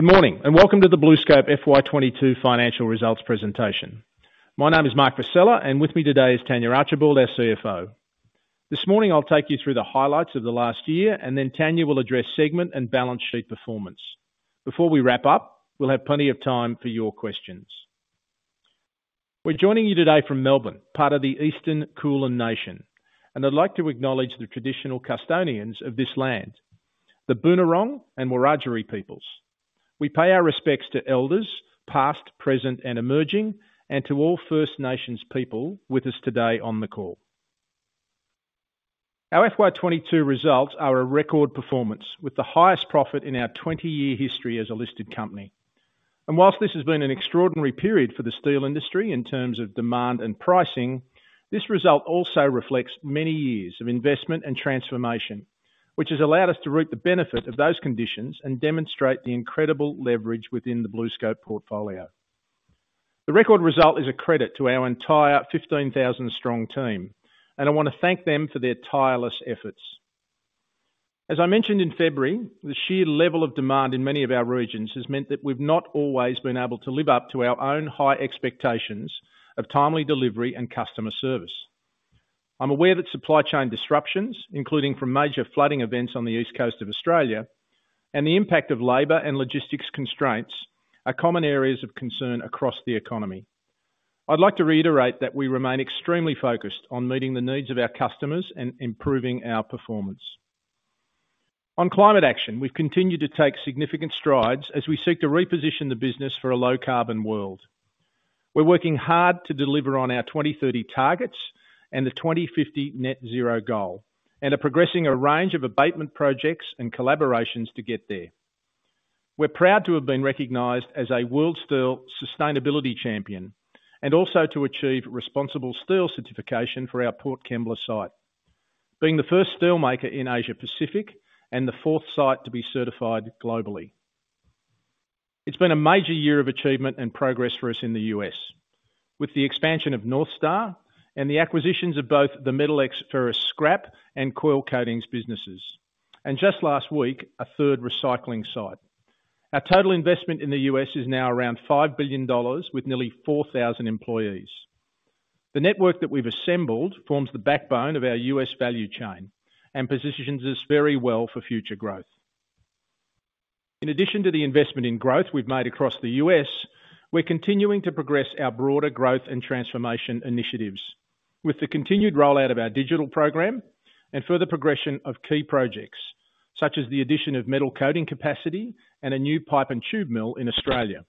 Good morning, and welcome to the BlueScope FY2022 Financial Results Presentation. My name is Mark Vassella, and with me today is Tania Archibald, our CFO. This morning, I'll take you through the highlights of the last year, and then Tania will address segment and balance sheet performance. Before we wrap up, we'll have plenty of time for your questions. We're joining you today from Melbourne, part of the Eastern Kulin Nation, and I'd like to acknowledge the traditional custodians of this land, the Boonwurrung and Wurundjeri peoples. We pay our respects to elders, past, present, and emerging, and to all First Nations people with us today on the call. Our FY2022 results are a record performance, with the highest profit in our 20-year history as a listed company. While this has been an extraordinary period for the steel industry in terms of demand and pricing, this result also reflects many years of investment and transformation, which has allowed us to reap the benefit of those conditions and demonstrate the incredible leverage within the BlueScope portfolio. The record result is a credit to our entire 15,000-strong team, and I wanna thank them for their tireless efforts. As I mentioned in February, the sheer level of demand in many of our regions has meant that we've not always been able to live up to our own high expectations of timely delivery and customer service. I'm aware that supply chain disruptions, including from major flooding events on the east coast of Australia and the impact of labor and logistics constraints, are common areas of concern across the economy. I'd like to reiterate that we remain extremely focused on meeting the needs of our customers and improving our performance. On climate action, we've continued to take significant strides as we seek to reposition the business for a low-carbon world. We're working hard to deliver on our 2030 targets and the 2050 net zero goal and are progressing a range of abatement projects and collaborations to get there. We're proud to have been recognized as a Steel Sustainability Champion and also to achieve ResponsibleSteel certification for our Port Kembla site, being the first steelmaker in Asia-Pacific and the fourth site to be certified globally. It's been a major year of achievement and progress for us in the U.S., with the expansion of North Star and the acquisitions of both the MetalX ferrous scrap and Coil Coatings businesses. Just last week, a third recycling site. Our total investment in the U.S. is now around $5 billion with nearly 4,000 employees. The network that we've assembled forms the backbone of our U.S. value chain and positions us very well for future growth. In addition to the investment in growth we've made across the U.S., we're continuing to progress our broader growth and transformation initiatives with the continued rollout of our digital program and further progression of key projects, such as the addition of metal coating capacity and a new pipe and tube mill in Australia.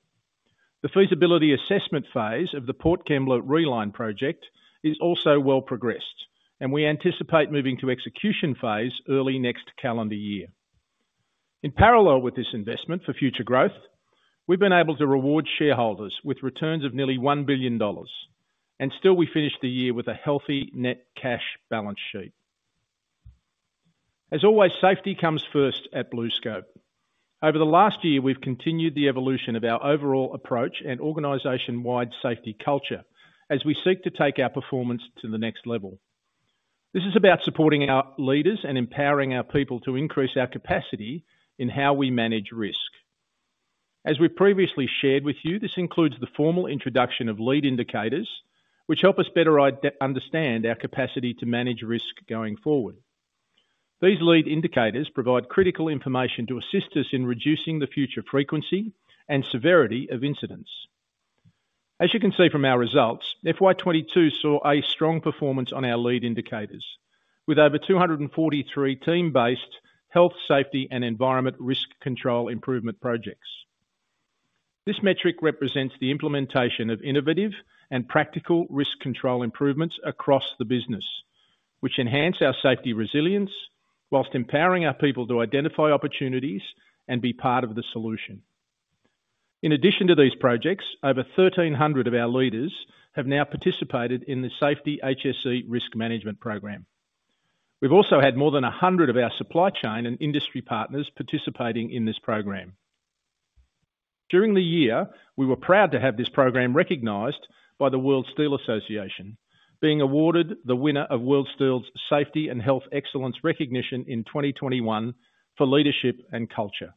The feasibility assessment phase of the Port Kembla reline project is also well progressed, and we anticipate moving to execution phase early next calendar year. In parallel with this investment for future growth, we've been able to reward shareholders with returns of nearly $1 billion, and still we finish the year with a healthy net cash balance sheet. As always, safety comes first at BlueScope. Over the last year, we've continued the evolution of our overall approach and organization-wide safety culture as we seek to take our performance to the next level. This is about supporting our leaders and empowering our people to increase our capacity in how we manage risk. As we previously shared with you, this includes the formal introduction of lead indicators, which help us better understand our capacity to manage risk going forward. These lead indicators provide critical information to assist us in reducing the future frequency and severity of incidents. As you can see from our results, FY2022 saw a strong performance on our lead indicators, with over 243 team-based health, safety, and environment risk control improvement projects. This metric represents the implementation of innovative and practical risk control improvements across the business, which enhance our safety resilience while empowering our people to identify opportunities and be part of the solution. In addition to these projects, over 1,300 of our leaders have now participated in the Safety HSC Risk Management program. We've also had more than 100 of our supply chain and industry partners participating in this program. During the year, we were proud to have this program recognized by the World Steel Association, being awarded the winner of World Steel's Safety and Health Excellence Recognition in 2021 for leadership and culture.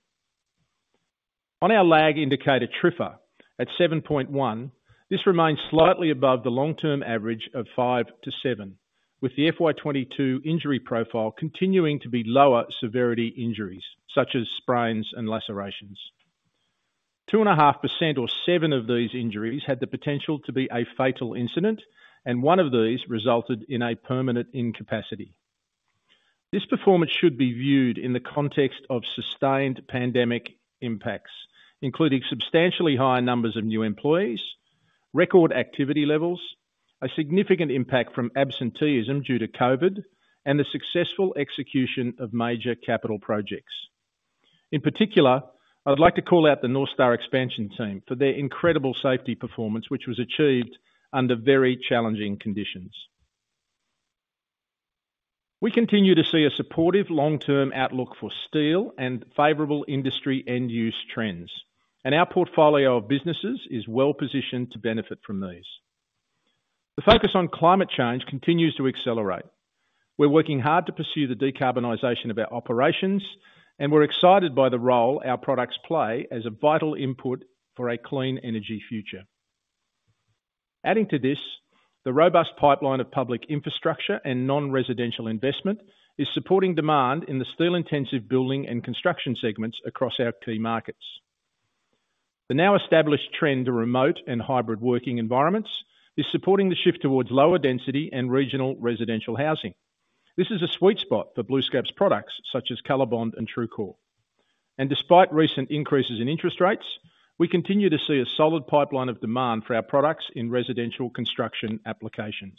On our lag indicator, TRIFR, at 7.1, this remains slightly above the long-term average of five to seven, with the FY2022 injury profile continuing to be lower severity injuries, such as sprains and lacerations. 2.5% or seven of these injuries had the potential to be a fatal incident, and one of these resulted in a permanent incapacity. This performance should be viewed in the context of sustained pandemic impacts, including substantially high numbers of new employees, record activity levels, a significant impact from absenteeism due to COVID, and the successful execution of major capital projects. In particular, I would like to call out the North Star expansion team for their incredible safety performance, which was achieved under very challenging conditions. We continue to see a supportive long-term outlook for steel and favorable industry end-use trends, and our portfolio of businesses is well-positioned to benefit from these. The focus on climate change continues to accelerate. We're working hard to pursue the decarbonization of our operations, and we're excited by the role our products play as a vital input for a clean energy future. Adding to this, the robust pipeline of public infrastructure and non-residential investment is supporting demand in the steel-intensive building and construction segments across our key markets. The now established trend to remote and hybrid working environments is supporting the shift towards lower density and regional residential housing. This is a sweet spot for BlueScope's products such as COLORBOND and TRU-CORE. Despite recent increases in interest rates, we continue to see a solid pipeline of demand for our products in residential construction applications.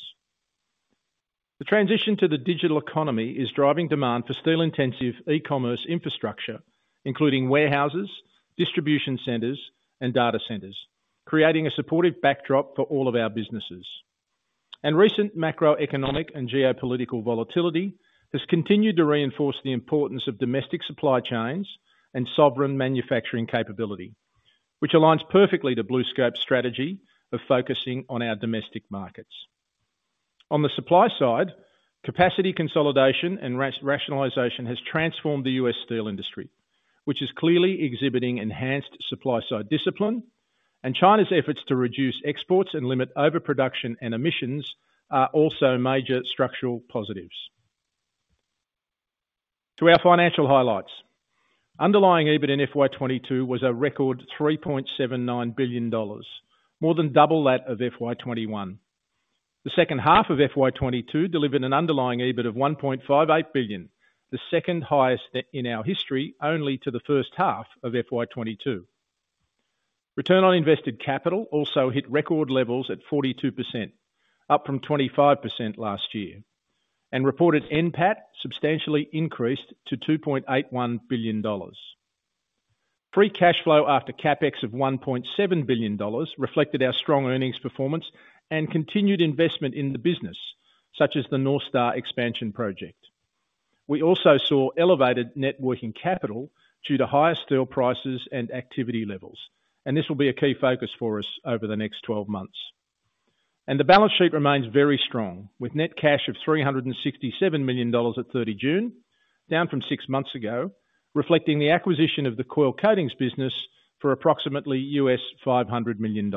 The transition to the digital economy is driving demand for steel-intensive e-commerce infrastructure, including warehouses, distribution centers, and data centers, creating a supportive backdrop for all of our businesses. Recent macroeconomic and geopolitical volatility has continued to reinforce the importance of domestic supply chains and sovereign manufacturing capability, which aligns perfectly to BlueScope's strategy of focusing on our domestic markets. On the supply side, capacity consolidation and rationalization has transformed the U.S. steel industry, which is clearly exhibiting enhanced supply side discipline, and China's efforts to reduce exports and limit overproduction and emissions are also major structural positives. To our financial highlights. Underlying EBIT in FY 2022 was a record 3.79 billion dollars, more than double that of FY 2021. The second half of FY 2022 delivered an underlying EBIT of 1.58 billion, the second-highest in our history, only to the first half of FY 2022. Return on invested capital also hit record levels at 42%, up from 25% last year. Reported NPAT substantially increased to 2.81 billion dollars. Free cash flow after Capex of 1.7 billion dollars reflected our strong earnings performance and continued investment in the business, such as the North Star expansion project. We also saw elevated net working capital due to higher steel prices and activity levels, and this will be a key focus for us over the next 12 months. The balance sheet remains very strong, with net cash of 367 million dollars at 30 June, down from six months ago, reflecting the acquisition of the Coil Coatings business for approximately $500 million.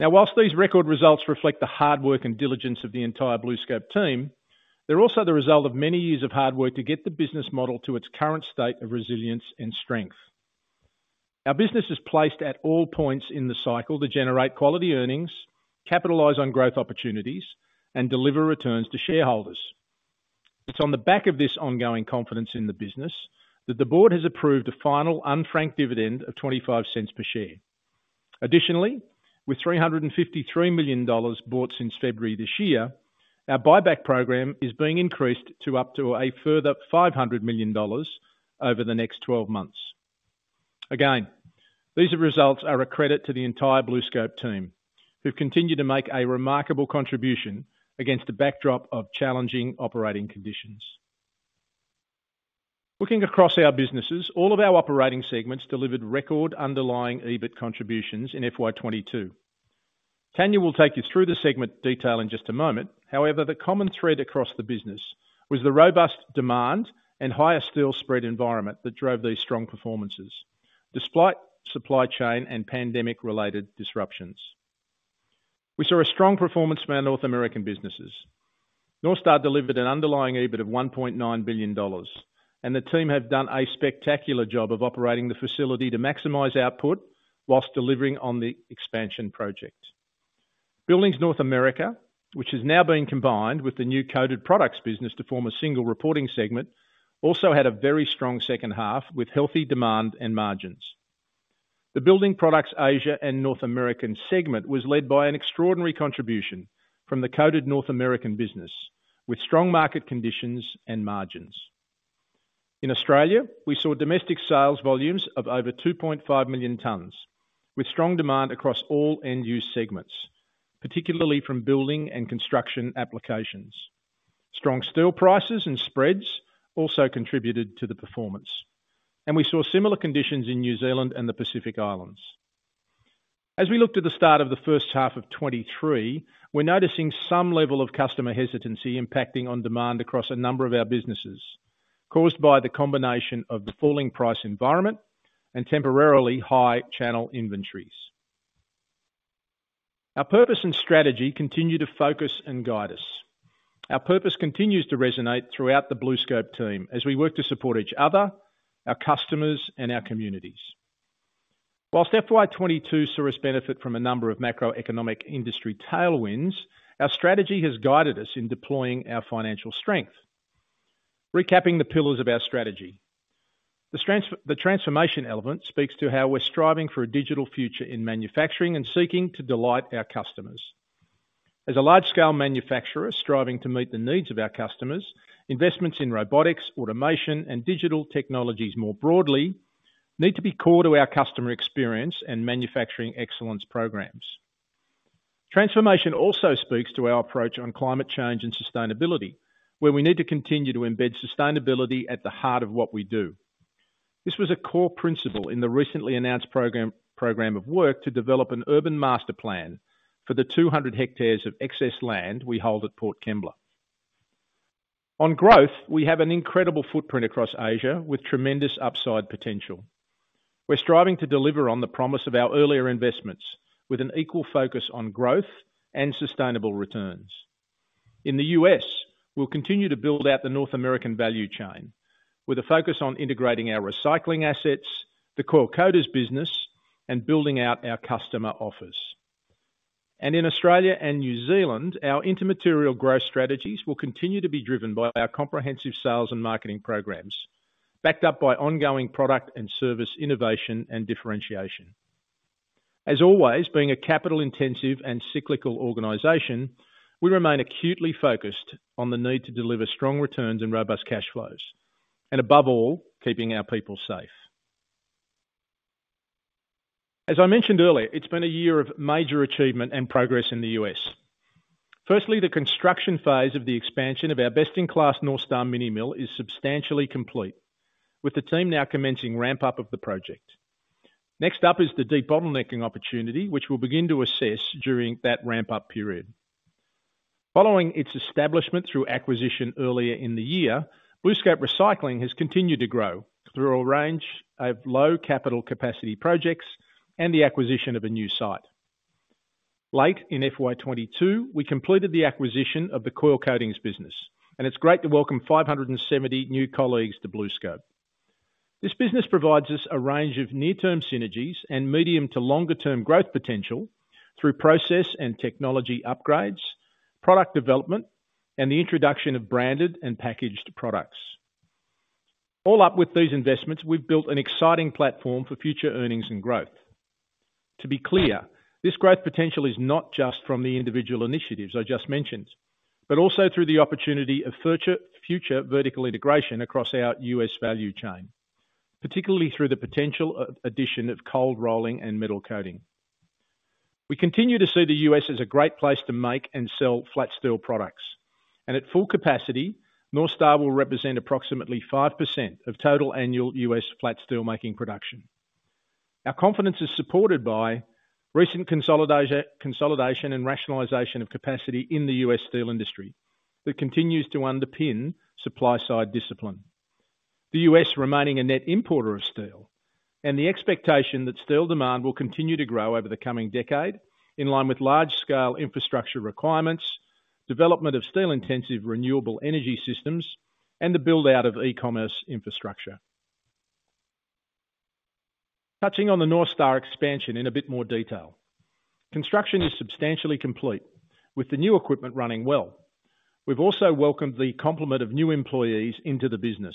Now, while these record results reflect the hard work and diligence of the entire BlueScope team, they're also the result of many years of hard work to get the business model to its current state of resilience and strength. Our business is placed at all points in the cycle to generate quality earnings, capitalize on growth opportunities, and deliver returns to shareholders. It's on the back of this ongoing confidence in the business that the board has approved a final unfranked dividend of 0.25 per share. Additionally, with 353 million dollars bought since February this year, our buyback program is being increased to up to a further 500 million dollars over the next 12 months. Again, these results are a credit to the entire BlueScope team, who've continued to make a remarkable contribution against the backdrop of challenging operating conditions. Looking across our businesses, all of our operating segments delivered record underlying EBIT contributions in FY 2022. Tania will take you through the segment detail in just a moment. However, the common thread across the business was the robust demand and higher steel spread environment that drove these strong performances despite supply chain and pandemic-related disruptions. We saw a strong performance from our North American businesses. North Star delivered an underlying EBIT of $1.9 billion, and the team have done a spectacular job of operating the facility to maximize output while delivering on the expansion project. Buildings North America, which is now being combined with the new Coated Products business to form a single reporting segment, also had a very strong second half with healthy demand and margins. The Buildings and Coated Products North America segment was led by an extraordinary contribution from the Coated Products North America business, with strong market conditions and margins. In Australia, we saw domestic sales volumes of over 2.5 million tons, with strong demand across all end-use segments, particularly from building and construction applications. Strong steel prices and spreads also contributed to the performance. We saw similar conditions in New Zealand and the Pacific Islands. As we look to the start of the first half of 2023, we're noticing some level of customer hesitancy impacting on demand across a number of our businesses, caused by the combination of the falling price environment and temporarily high channel inventories. Our purpose and strategy continue to focus and guide us. Our purpose continues to resonate throughout the BlueScope team as we work to support each other, our customers, and our communities. While FY 2022 saw us benefit from a number of macroeconomic industry tailwinds, our strategy has guided us in deploying our financial strength. Recapping the pillars of our strategy. The transformation element speaks to how we're striving for a digital future in manufacturing and seeking to delight our customers. As a large-scale manufacturer striving to meet the needs of our customers, investments in robotics, automation, and digital technologies more broadly need to be core to our customer experience and manufacturing excellence programs. Transformation also speaks to our approach on climate change and sustainability, where we need to continue to embed sustainability at the heart of what we do. This was a core principle in the recently announced program of work to develop an urban master plan for the 200 hectares of excess land we hold at Port Kembla. On growth, we have an incredible footprint across Asia with tremendous upside potential. We're striving to deliver on the promise of our earlier investments with an equal focus on growth and sustainable returns. In the U.S., we'll continue to build out the North American value chain with a focus on integrating our recycling assets, the Coil Coatings business, and building out our customer offers. In Australia and New Zealand, our intermaterial growth strategies will continue to be driven by our comprehensive sales and marketing programs, backed up by ongoing product and service innovation and differentiation. As always, being a capital-intensive and cyclical organization, we remain acutely focused on the need to deliver strong returns and robust cash flows and above all, keeping our people safe. As I mentioned earlier, it's been a year of major achievement and progress in the U.S. Firstly, the construction phase of the expansion of our best-in-class North Star mini mill is substantially complete, with the team now commencing ramp-up of the project. Next up is the debottlenecking opportunity, which we'll begin to assess during that ramp-up period. Following its establishment through acquisition earlier in the year, BlueScope Recycling has continued to grow through a range of low capital capacity projects and the acquisition of a new site. Late in FY 2022, we completed the acquisition of the Coil Coatings business, and it's great to welcome 570 new colleagues to BlueScope. This business provides us a range of near-term synergies and medium to longer-term growth potential through process and technology upgrades, product development, and the introduction of branded and packaged products. All up with these investments, we've built an exciting platform for future earnings and growth. To be clear, this growth potential is not just from the individual initiatives I just mentioned, but also through the opportunity of future vertical integration across our U.S. value chain, particularly through the potential addition of cold rolling and metal coating. We continue to see the U.S. as a great place to make and sell flat steel products, and at full capacity, North Star will represent approximately 5% of total annual U.S. flat steelmaking production. Our confidence is supported by recent consolidation and rationalization of capacity in the U.S. steel industry that continues to underpin supply side discipline, the U.S. remaining a net importer of steel and the expectation that steel demand will continue to grow over the coming decade in line with large-scale infrastructure requirements, development of steel-intensive renewable energy systems, and the build-out of e-commerce infrastructure. Touching on the North Star expansion in a bit more detail. Construction is substantially complete, with the new equipment running well. We've also welcomed the complement of new employees into the business.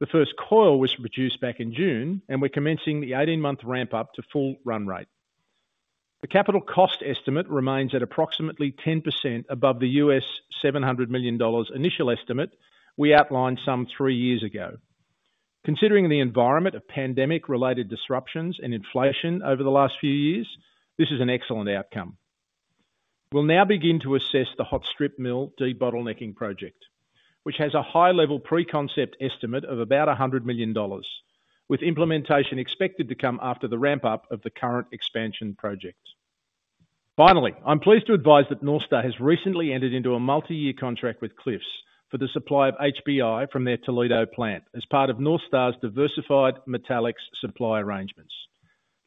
The first coil was produced back in June, and we're commencing the 18-month ramp-up to full run rate. The capital cost estimate remains at approximately 10% above the $700 million initial estimate we outlined some three years ago. Considering the environment of pandemic-related disruptions and inflation over the last few years, this is an excellent outcome. We'll now begin to assess the hot strip mill debottlenecking project, which has a high-level pre-concept estimate of about $100 million, with implementation expected to come after the ramp-up of the current expansion project. I'm pleased to advise that North Star has recently entered into a multi-year contract with Cleveland-Cliffs for the supply of HBI from their Toledo plant as part of North Star's diversified metallics supply arrangements.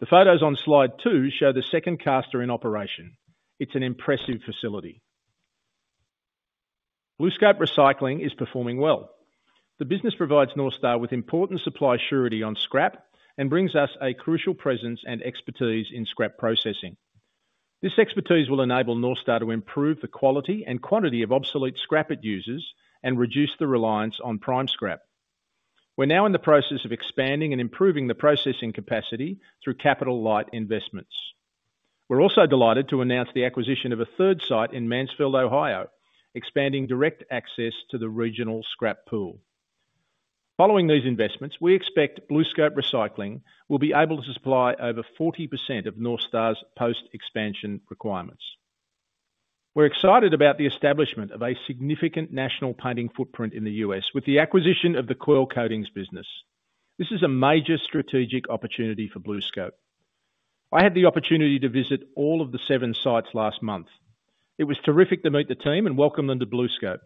The photos on slide two show the second caster in operation. It's an impressive facility. BlueScope Recycling is performing well. The business provides North Star with important supply surety on scrap and brings us a crucial presence and expertise in scrap processing. This expertise will enable North Star to improve the quality and quantity of obsolete scrap it uses and reduce the reliance on prime scrap. We're now in the process of expanding and improving the processing capacity through capital-light investments. We're also delighted to announce the acquisition of a third site in Mansfield, Ohio, expanding direct access to the regional scrap pool. Following these investments, we expect BlueScope Recycling will be able to supply over 40% of North Star's post-expansion requirements. We're excited about the establishment of a significant national painting footprint in the U.S. with the acquisition of the Coil Coatings business. This is a major strategic opportunity for BlueScope. I had the opportunity to visit all of the seven sites last month. It was terrific to meet the team and welcome them to BlueScope.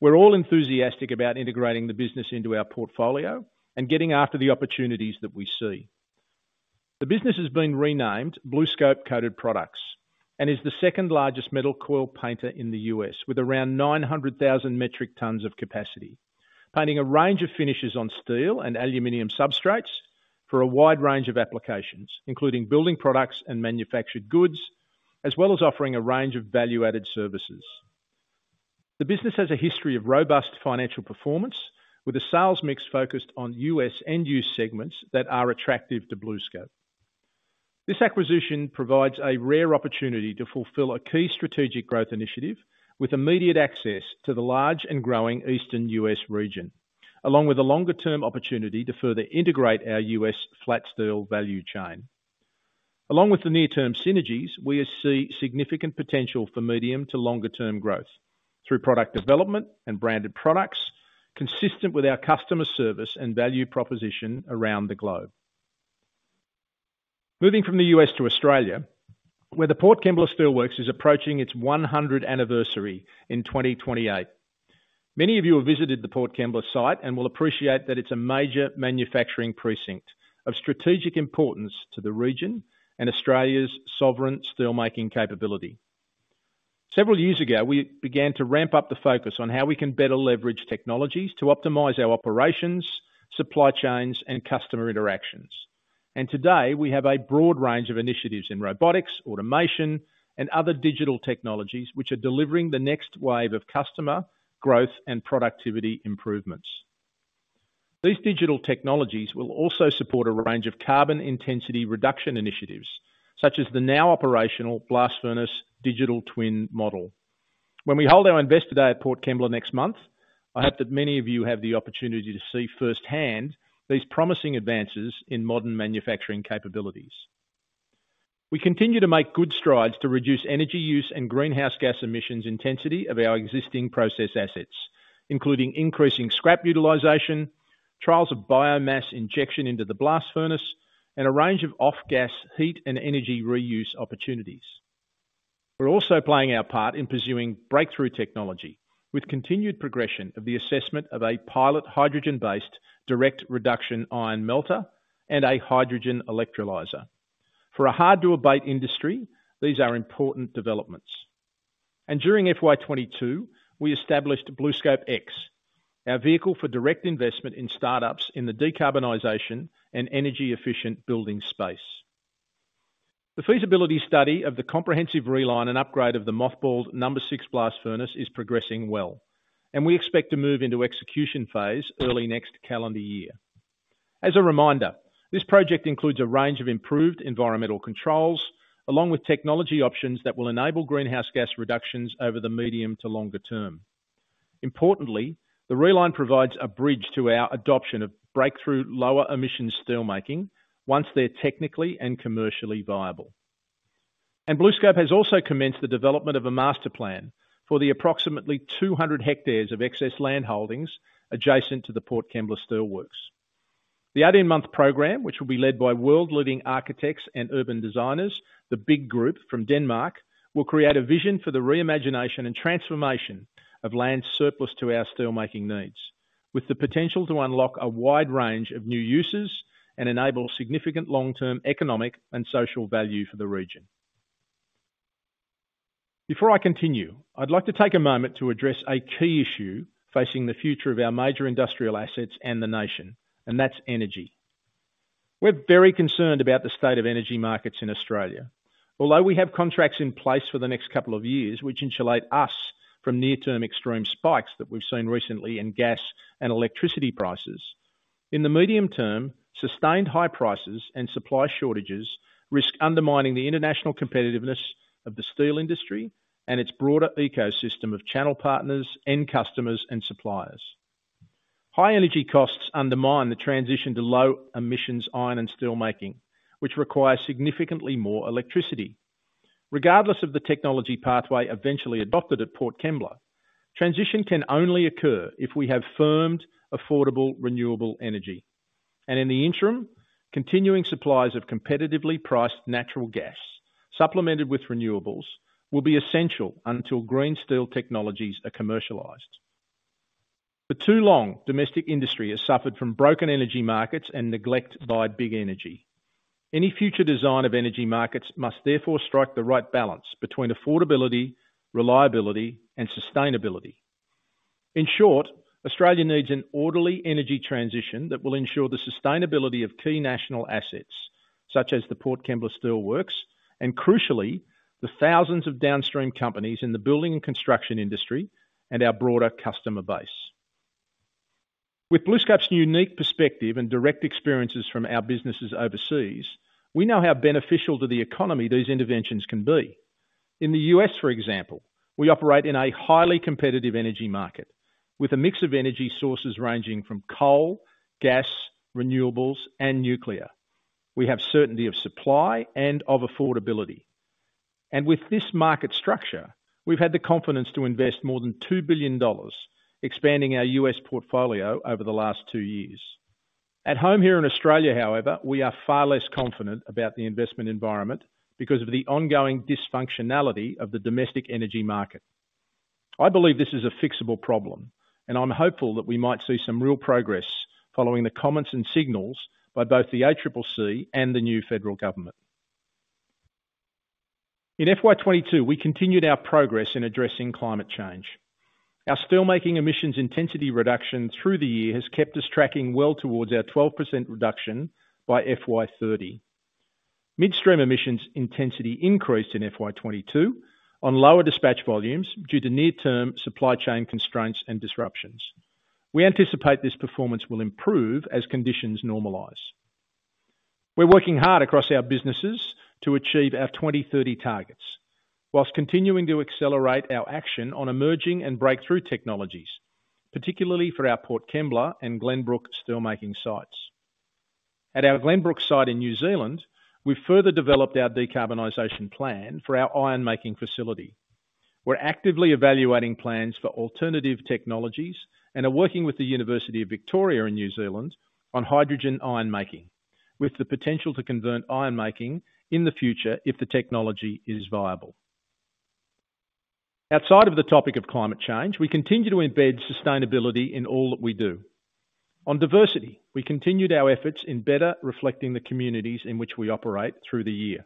We're all enthusiastic about integrating the business into our portfolio and getting after the opportunities that we see. The business has been renamed BlueScope Coated Products and is the second-largest metal coil painter in the U.S. with around 900,000 metric tons of capacity, painting a range of finishes on steel and aluminum substrates for a wide range of applications, including building products and manufactured goods, as well as offering a range of value-added services. The business has a history of robust financial performance with a sales mix focused on U.S. end-use segments that are attractive to BlueScope. This acquisition provides a rare opportunity to fulfill a key strategic growth initiative with immediate access to the large and growing Eastern U.S. region, along with a longer-term opportunity to further integrate our U.S. flat steel value chain. Along with the near-term synergies, we see significant potential for medium to longer-term growth through product development and branded products consistent with our customer service and value proposition around the globe. Moving from the U.S. to Australia, where the Port Kembla Steelworks is approaching its 100th anniversary in 2028. Many of you have visited the Port Kembla site and will appreciate that it's a major manufacturing precinct of strategic importance to the region and Australia's sovereign steelmaking capability. Several years ago, we began to ramp up the focus on how we can better leverage technologies to optimize our operations, supply chains, and customer interactions. Today, we have a broad range of initiatives in robotics, automation, and other digital technologies which are delivering the next wave of customer growth and productivity improvements. These digital technologies will also support a range of carbon intensity reduction initiatives, such as the now operational blast furnace digital twin model. When we hold our investor day at Port Kembla next month, I hope that many of you have the opportunity to see firsthand these promising advances in modern manufacturing capabilities. We continue to make good strides to reduce energy use and greenhouse gas emissions intensity of our existing process assets, including increasing scrap utilization, trials of biomass injection into the blast furnace, and a range of off-gas heat and energy reuse opportunities. We're also playing our part in pursuing breakthrough technology with continued progression of the assessment of a pilot hydrogen-based direct reduction iron melter and a hydrogen electrolyzer. For a hard-to-abate industry, these are important developments. During FY 2022, we established BlueScopeX, our vehicle for direct investment in startups in the decarbonization and energy-efficient building space. The feasibility study of the comprehensive reline and upgrade of the mothballed No. 6 blast furnace is progressing well, and we expect to move into execution phase early next calendar year. As a reminder, this project includes a range of improved environmental controls, along with technology options that will enable greenhouse gas reductions over the medium to longer term. Importantly, the reline provides a bridge to our adoption of breakthrough lower-emission steelmaking once they're technically and commercially viable. BlueScope has also commenced the development of a master plan for the approximately 200 hectares of excess landholdings adjacent to the Port Kembla Steelworks. The 18-month program, which will be led by world-leading architects and urban designers, the Bjarke Ingels Group from Denmark, will create a vision for the reimagination and transformation of land surplus to our steelmaking needs, with the potential to unlock a wide range of new uses and enable significant long-term economic and social value for the region. Before I continue, I'd like to take a moment to address a key issue facing the future of our major industrial assets and the nation, and that's energy. We're very concerned about the state of energy markets in Australia. Although we have contracts in place for the next couple of years, which insulate us from near-term extreme spikes that we've seen recently in gas and electricity prices, in the medium term, sustained high prices and supply shortages risk undermining the international competitiveness of the steel industry and its broader ecosystem of channel partners, end customers, and suppliers. High energy costs undermine the transition to low-emissions iron and steelmaking, which require significantly more electricity. Regardless of the technology pathway eventually adopted at Port Kembla, transition can only occur if we have firmed, affordable, renewable energy. In the interim, continuing supplies of competitively priced natural gas supplemented with renewables will be essential until green steel technologies are commercialized. For too long, domestic industry has suffered from broken energy markets and neglect by big energy. Any future design of energy markets must therefore strike the right balance between affordability, reliability, and sustainability. In short, Australia needs an orderly energy transition that will ensure the sustainability of key national assets, such as the Port Kembla Steelworks, and crucially, the thousands of downstream companies in the building and construction industry and our broader customer base. With BlueScope's unique perspective and direct experiences from our businesses overseas, we know how beneficial to the economy these interventions can be. In the U.S., for example, we operate in a highly competitive energy market with a mix of energy sources ranging from coal, gas, renewables, and nuclear. We have certainty of supply and of affordability. With this market structure, we've had the confidence to invest more than $2 billion expanding our US portfolio over the last two years. At home here in Australia, however, we are far less confident about the investment environment because of the ongoing dysfunctionality of the domestic energy market. I believe this is a fixable problem, and I'm hopeful that we might see some real progress following the comments and signals by both the ACCC and the new federal government. In FY2022, we continued our progress in addressing climate change. Our steelmaking emissions intensity reduction through the year has kept us tracking well towards our 12% reduction by FY2030. Midstream emissions intensity increased in FY2022 on lower dispatch volumes due to near-term supply chain constraints and disruptions. We anticipate this performance will improve as conditions normalize. We're working hard across our businesses to achieve our 2030 targets. While continuing to accelerate our action on emerging and breakthrough technologies, particularly for our Port Kembla and Glenbrook steelmaking sites. At our Glenbrook site in New Zealand, we further developed our decarbonization plan for our ironmaking facility. We're actively evaluating plans for alternative technologies and are working with the Victoria University of Wellington in New Zealand on hydrogen ironmaking, with the potential to convert ironmaking in the future if the technology is viable. Outside of the topic of climate change, we continue to embed sustainability in all that we do. On diversity, we continued our efforts in better reflecting the communities in which we operate through the year,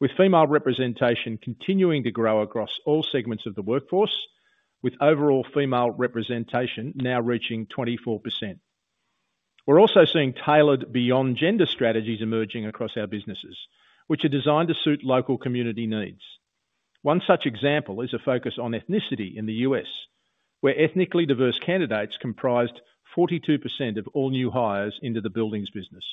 with female representation continuing to grow across all segments of the workforce, with overall female representation now reaching 24%. We're also seeing tailored beyond gender strategies emerging across our businesses, which are designed to suit local community needs. One such example is a focus on ethnicity in the U.S., where ethnically diverse candidates comprised 42% of all new hires into the buildings business.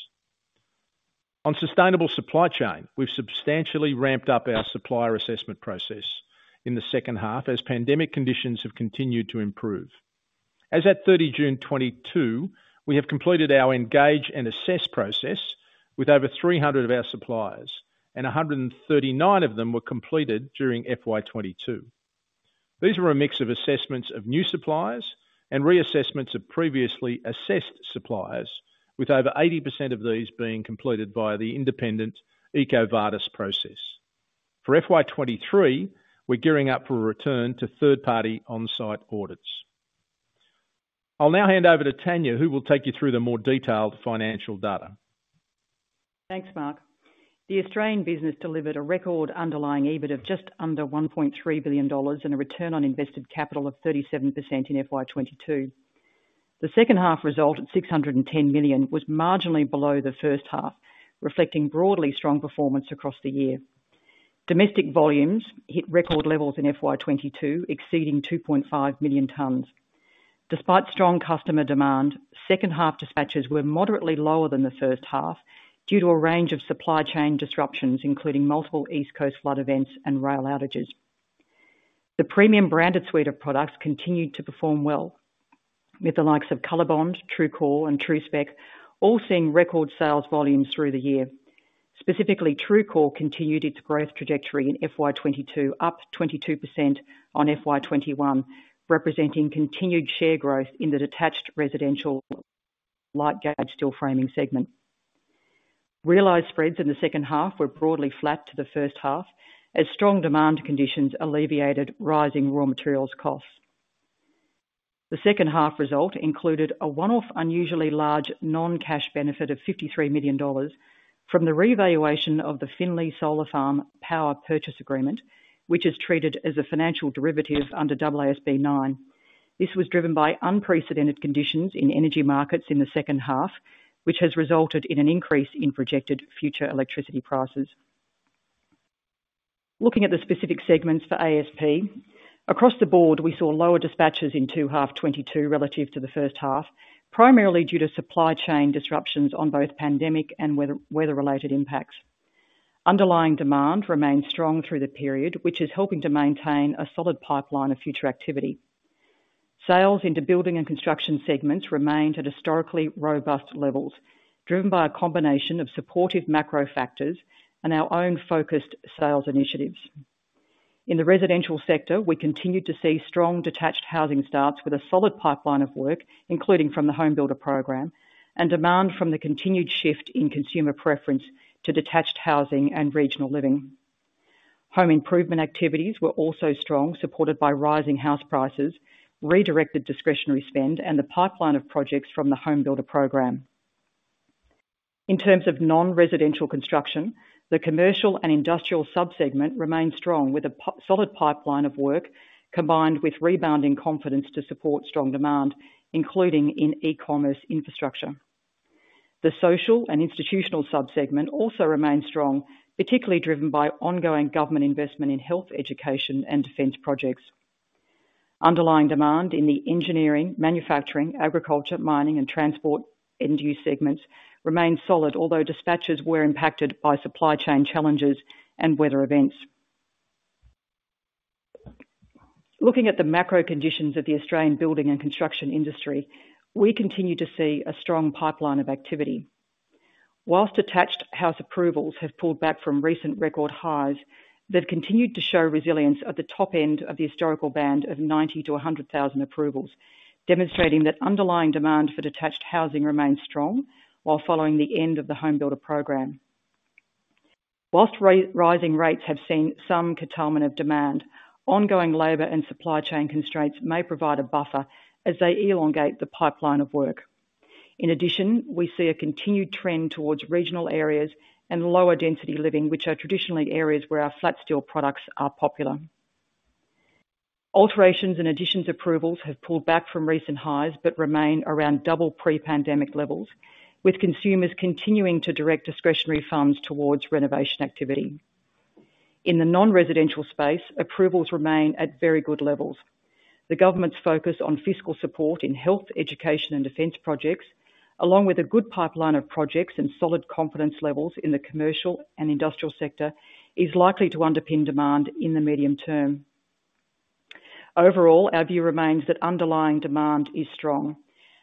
On sustainable supply chain, we've substantially ramped up our supplier assessment process in the second half as pandemic conditions have continued to improve. As at 30 June 2022, we have completed our engage and assess process with over 300 of our suppliers, and 139 of them were completed during FY 2022. These were a mix of assessments of new suppliers and reassessments of previously assessed suppliers, with over 80% of these being completed via the independent EcoVadis process. For FY 2023, we're gearing up for a return to third-party onsite audits. I'll now hand over to Tania who will take you through the more detailed financial data. Thanks, Mark. The Australian business delivered a record underlying EBIT of just under 1.3 billion dollars and a return on invested capital of 37% in FY 2022. The second half result at 610 million was marginally below the first half, reflecting broadly strong performance across the year. Domestic volumes hit record levels in FY 2022, exceeding 2.5 million tons. Despite strong customer demand, second half dispatches were moderately lower than the first half due to a range of supply chain disruptions, including multiple East Coast flood events and rail outages. The premium branded suite of products continued to perform well with the likes of COLORBOND, TRU-CORE, and TRU-SPEC, all seeing record sales volumes through the year. Specifically, TRU-CORE continued its growth trajectory in FY 2022, up 22% on FY 2021, representing continued share growth in the detached residential light gauge steel framing segment. Realized spreads in the second half were broadly flat to the first half as strong demand conditions alleviated rising raw materials costs. The second half result included a one-off unusually large non-cash benefit of 53 million dollars from the revaluation of the Finley Solar Farm Power Purchase Agreement, which is treated as a financial derivative under AASB 9. This was driven by unprecedented conditions in energy markets in the second half, which has resulted in an increase in projected future electricity prices. Looking at the specific segments for ASP, across the board, we saw lower dispatches in second half 2022 relative to the first half, primarily due to supply chain disruptions from both pandemic and weather-related impacts. Underlying demand remained strong through the period, which is helping to maintain a solid pipeline of future activity. Sales into building and construction segments remained at historically robust levels, driven by a combination of supportive macro factors and our own focused sales initiatives. In the residential sector, we continued to see strong detached housing starts with a solid pipeline of work, including from the HomeBuilder program and demand from the continued shift in consumer preference to detached housing and regional living. Home improvement activities were also strong, supported by rising house prices, redirected discretionary spend, and the pipeline of projects from the HomeBuilder program. In terms of non-residential construction, the commercial and industrial sub-segment remained strong with a solid pipeline of work, combined with rebounding confidence to support strong demand, including in e-commerce infrastructure. The social and institutional sub-segment also remained strong, particularly driven by ongoing government investment in health, education, and defense projects. Underlying demand in the engineering, manufacturing, agriculture, mining, and transport end use segments remained solid, although dispatches were impacted by supply chain challenges and weather events. Looking at the macro conditions of the Australian building and construction industry, we continue to see a strong pipeline of activity. While detached house approvals have pulled back from recent record highs, they've continued to show resilience at the top end of the historical band of 90-100,000 approvals, demonstrating that underlying demand for detached housing remains strong while following the end of the HomeBuilder program. While rising rates have seen some curtailment of demand, ongoing labor and supply chain constraints may provide a buffer as they elongate the pipeline of work. In addition, we see a continued trend towards regional areas and lower density living, which are traditionally areas where our flat steel products are popular. Alterations and additions approvals have pulled back from recent highs, but remain around double pre-pandemic levels, with consumers continuing to direct discretionary funds towards renovation activity. In the non-residential space, approvals remain at very good levels. The government's focus on fiscal support in health, education, and defense projects, along with a good pipeline of projects and solid confidence levels in the commercial and industrial sector, is likely to underpin demand in the medium term. Overall, our view remains that underlying demand is strong.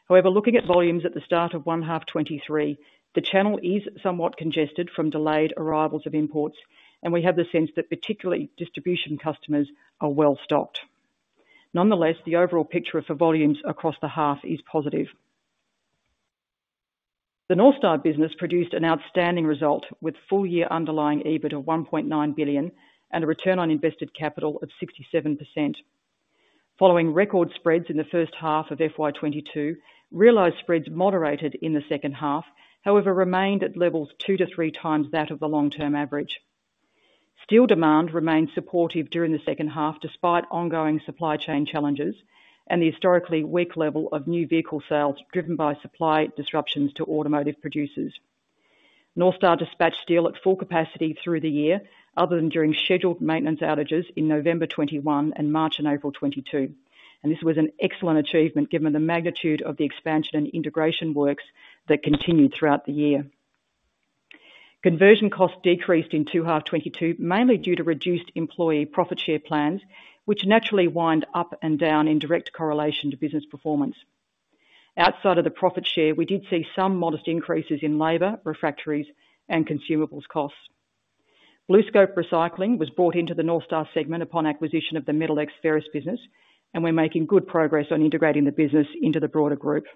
However, looking at volumes at the start of 1H 2023, the channel is somewhat congested from delayed arrivals of imports, and we have the sense that particularly distribution customers are well-stocked. Nonetheless, the overall picture for volumes across the half is positive. The North Star business produced an outstanding result with full-year underlying EBIT of 1.9 billion and a return on invested capital of 67%. Following record spreads in the first half of FY 2022, realized spreads moderated in the second half, however, remained at levels two to three times that of the long-term average. Steel demand remained supportive during the second half, despite ongoing supply chain challenges and the historically weak level of new vehicle sales driven by supply disruptions to automotive producers. North Star dispatched steel at full capacity through the year, other than during scheduled maintenance outages in November 2021 and March and April 2022, and this was an excellent achievement given the magnitude of the expansion and integration works that continued throughout the year. Conversion costs decreased in 2H 2022, mainly due to reduced employee profit share plans, which naturally wind up and down in direct correlation to business performance. Outside of the profit share, we did see some modest increases in labor, refractories, and consumables costs. BlueScope Recycling was brought into the North Star segment upon acquisition of the MetalX Ferrous business, and we're making good progress on integrating the business into the broader group.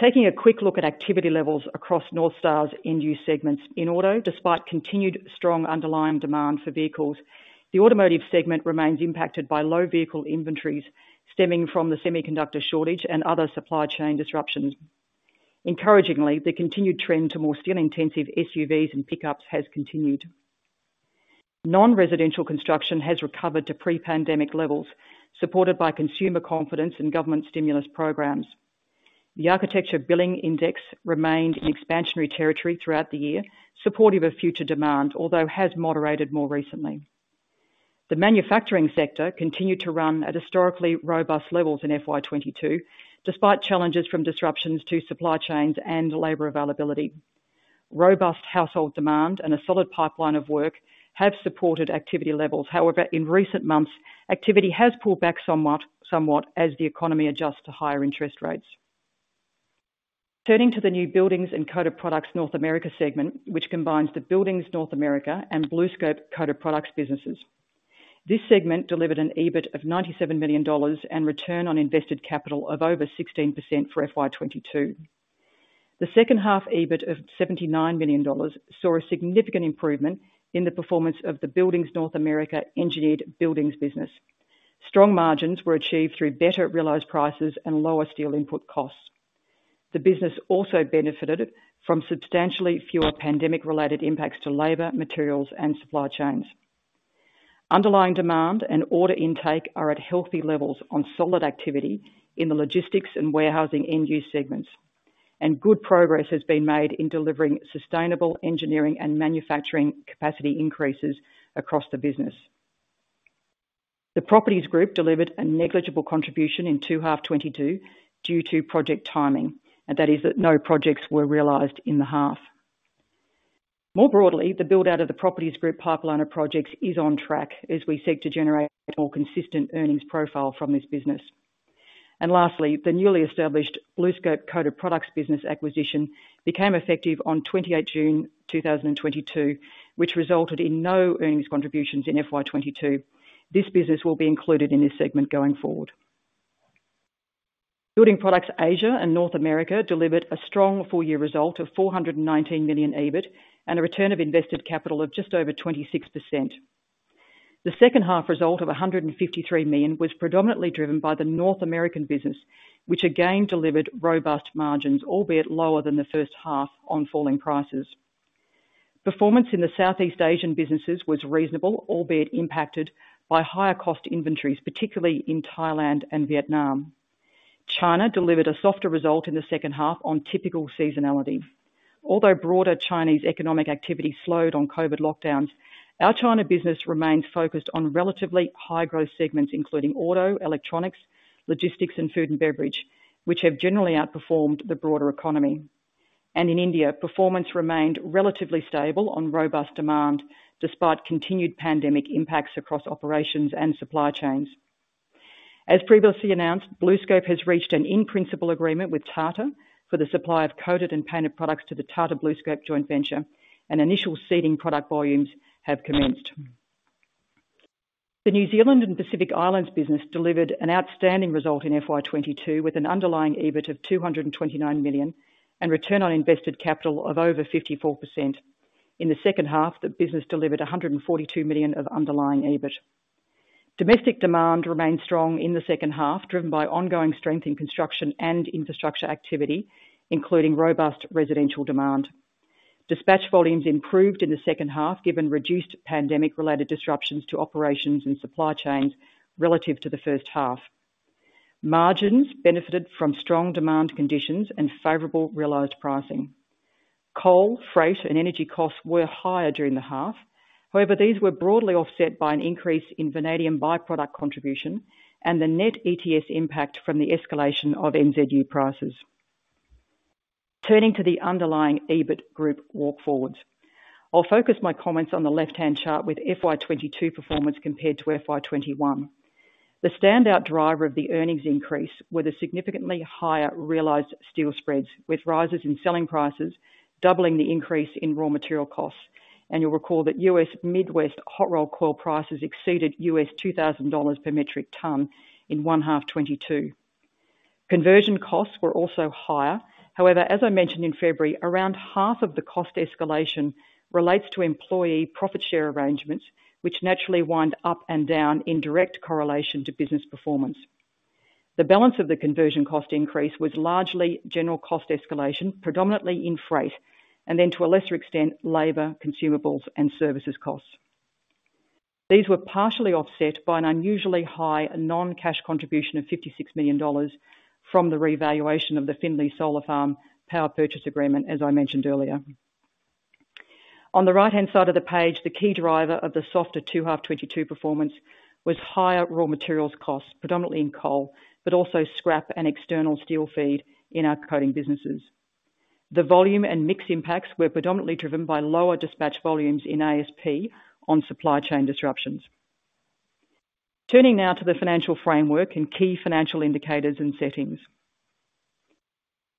Taking a quick look at activity levels across North Star's end-use segments. In auto, despite continued strong underlying demand for vehicles, the automotive segment remains impacted by low vehicle inventories stemming from the semiconductor shortage and other supply chain disruptions. Encouragingly, the continued trend to more steel-intensive SUVs and pickups has continued. Non-residential construction has recovered to pre-pandemic levels, supported by consumer confidence in government stimulus programs. The Architecture Billings Index remained in expansionary territory throughout the year, supportive of future demand, although has moderated more recently. The manufacturing sector continued to run at historically robust levels in FY 2022, despite challenges from disruptions to supply chains and labor availability. Robust household demand and a solid pipeline of work have supported activity levels. However, in recent months, activity has pulled back somewhat as the economy adjusts to higher interest rates. Turning to the new Buildings and Coated Products North America segment, which combines the Buildings North America and BlueScope Coated Products businesses. This segment delivered an EBIT of $97 million and return on invested capital of over 16% for FY 2022. The second half EBIT of $79 million saw a significant improvement in the performance of the Buildings North America engineered buildings business. Strong margins were achieved through better realized prices and lower steel input costs. The business also benefited from substantially fewer pandemic-related impacts to labor, materials, and supply chains. Underlying demand and order intake are at healthy levels on solid activity in the logistics and warehousing end-use segments. Good progress has been made in delivering sustainable engineering and manufacturing capacity increases across the business. BlueScope Properties Group delivered a negligible contribution in 2H 2022 due to project timing, and that is that no projects were realized in the half. More broadly, the build-out of the BlueScope Properties Group pipeline of projects is on track as we seek to generate more consistent earnings profile from this business. Lastly, the newly established BlueScope Coated Products business acquisition became effective on 28 June 2022, which resulted in no earnings contributions in FY 2022. This business will be included in this segment going forward. Building Products Asia and North America delivered a strong full-year result of 419 million EBIT and a return of invested capital of just over 26%. The second half result of 153 million was predominantly driven by the North American business, which again delivered robust margins, albeit lower than the first half on falling prices. Performance in the Southeast Asian businesses was reasonable, albeit impacted by higher cost inventories, particularly in Thailand and Vietnam. China delivered a softer result in the second half on typical seasonality. Although broader Chinese economic activity slowed on COVID lockdowns, our China business remains focused on relatively high-growth segments, including auto, electronics, logistics, and food and beverage, which have generally outperformed the broader economy. In India, performance remained relatively stable on robust demand despite continued pandemic impacts across operations and supply chains. As previously announced, BlueScope has reached an in-principle agreement with Tata for the supply of coated and painted products to the Tata BlueScope Joint Venture, and initial seeding product volumes have commenced. The New Zealand and Pacific Islands business delivered an outstanding result in FY 2022 with an underlying EBIT of 229 million and return on invested capital of over 54%. In the second half, the business delivered 142 million of underlying EBIT. Domestic demand remained strong in the second half, driven by ongoing strength in construction and infrastructure activity, including robust residential demand. Dispatch volumes improved in the second half, given reduced pandemic-related disruptions to operations and supply chains relative to the first half. Margins benefited from strong demand conditions and favorable realized pricing. Coal, freight and energy costs were higher during the half. However, these were broadly offset by an increase in vanadium by-product contribution and the net ETS impact from the escalation of NZU prices. Turning to the underlying EBIT group walk forwards. I'll focus my comments on the left-hand chart with FY 2022 performance compared to FY 2021. The standout driver of the earnings increase were the significantly higher realized steel spreads, with rises in selling prices doubling the increase in raw material costs. You'll recall that U.S. Midwest hot-rolled coil prices exceeded $2,000 per metric tonne in 1H 2022. Conversion costs were also higher. However, as I mentioned in February, around half of the cost escalation relates to employee profit share arrangements, which naturally wind up and down in direct correlation to business performance. The balance of the conversion cost increase was largely general cost escalation, predominantly in freight, and then to a lesser extent, labor, consumables, and services costs. These were partially offset by an unusually high non-cash contribution of 56 million dollars from the revaluation of the Finley Solar Farm power purchase agreement, as I mentioned earlier. On the right-hand side of the page, the key driver of the softer 2H22 performance was higher raw materials costs, predominantly in coal, but also scrap and external steel feed in our coating businesses. The volume and mix impacts were predominantly driven by lower dispatch volumes in ASP on supply chain disruptions. Turning now to the financial framework and key financial indicators and settings.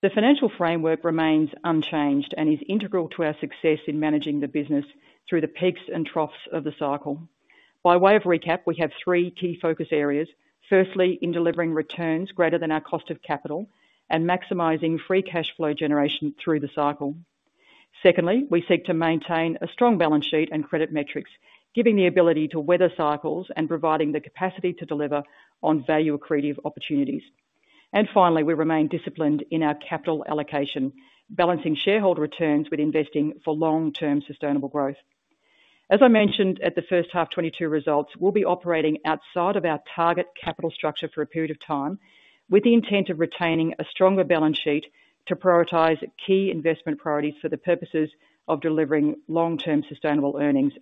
The financial framework remains unchanged and is integral to our success in managing the business through the peaks and troughs of the cycle. By way of recap, we have three key focus areas. Firstly, in delivering returns greater than our cost of capital and maximizing free cash flow generation through the cycle. Secondly, we seek to maintain a strong balance sheet and credit metrics, giving the ability to weather cycles and providing the capacity to deliver on value-accretive opportunities. Finally, we remain disciplined in our capital allocation, balancing shareholder returns with investing for long-term sustainable growth. As I mentioned at the first half 2022 results, we'll be operating outside of our target capital structure for a period of time, with the intent of retaining a stronger balance sheet to prioritize key investment priorities for the purposes of delivering long-term sustainable earnings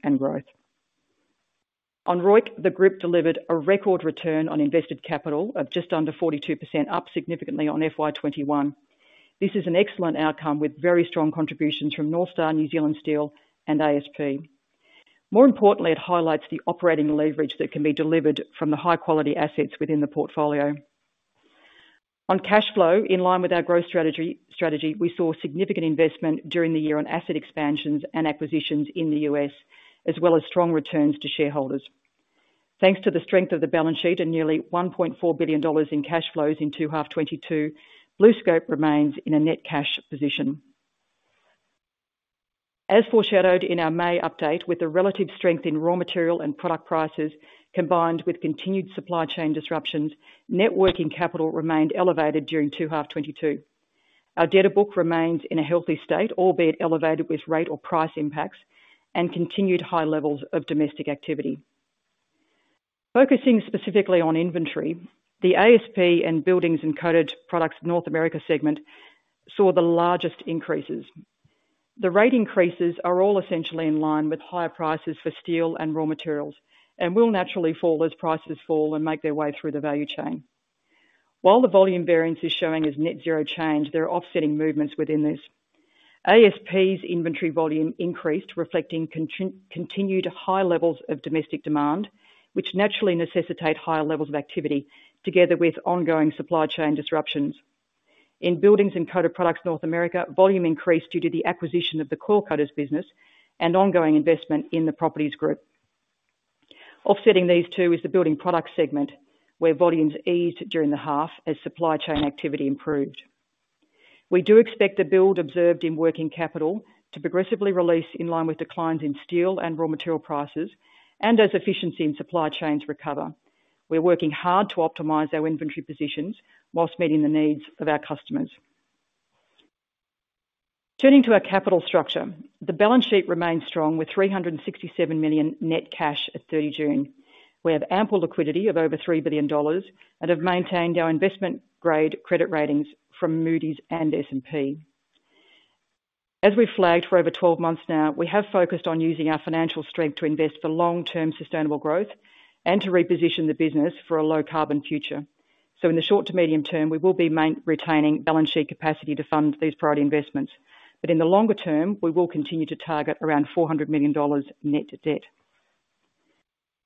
and growth. On ROIC, the group delivered a record return on invested capital of just under 42%, up significantly on FY 2021. This is an excellent outcome with very strong contributions from North Star, New Zealand Steel, and ASP. More importantly, it highlights the operating leverage that can be delivered from the high-quality assets within the portfolio. On cash flow, in line with our growth strategy, we saw significant investment during the year on asset expansions and acquisitions in the U.S., as well as strong returns to shareholders. Thanks to the strength of the balance sheet and nearly 1.4 billion dollars in cash flows in 2H 2022, BlueScope remains in a net cash position. As foreshadowed in our May update, with the relative strength in raw material and product prices, combined with continued supply chain disruptions, net working capital remained elevated during 2H 2022. Our debtor book remains in a healthy state, albeit elevated with rate or price impacts and continued high levels of domestic activity. Focusing specifically on inventory, the ASP and Buildings and Coated Products North America segment saw the largest increases. The rate increases are all essentially in line with higher prices for steel and raw materials and will naturally fall as prices fall and make their way through the value chain. While the volume variance is showing as net zero change, there are offsetting movements within this. ASP's inventory volume increased, reflecting continued high levels of domestic demand, which naturally necessitate higher levels of activity together with ongoing supply chain disruptions. In Buildings and Coated Products North America, volume increased due to the acquisition of the Coil Coatings business and ongoing investment in the Properties Group. Offsetting these two is the Building Products segment, where volumes eased during the half as supply chain activity improved. We do expect the build observed in working capital to progressively release in line with declines in steel and raw material prices and as efficiency and supply chains recover. We're working hard to optimize our inventory positions while meeting the needs of our customers. Turning to our capital structure. The balance sheet remains strong with 367 million net cash at 30 June. We have ample liquidity of over 3 billion dollars and have maintained our investment-grade credit ratings from Moody's and S&P. As we flagged for over 12 months now, we have focused on using our financial strength to invest for long-term sustainable growth and to reposition the business for a low-carbon future. In the short to medium term, we will be retaining balance sheet capacity to fund these priority investments. In the longer term, we will continue to target around 400 million dollars net debt.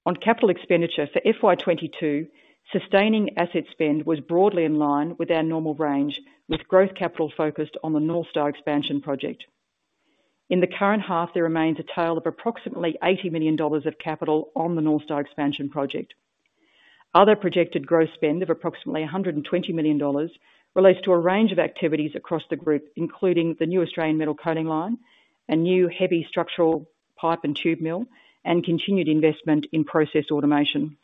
On capital expenditure for FY 2022, sustaining asset spend was broadly in line with our normal range, with growth capital focused on the North Star Expansion project. In the current half, there remains a tail of approximately 80 million dollars of capital on the North Star Expansion project. Other projected growth spend of approximately 120 million dollars relates to a range of activities across the group, including the new Australian metal coating line and new heavy structural pipe and tube mill, and continued investment in process automation.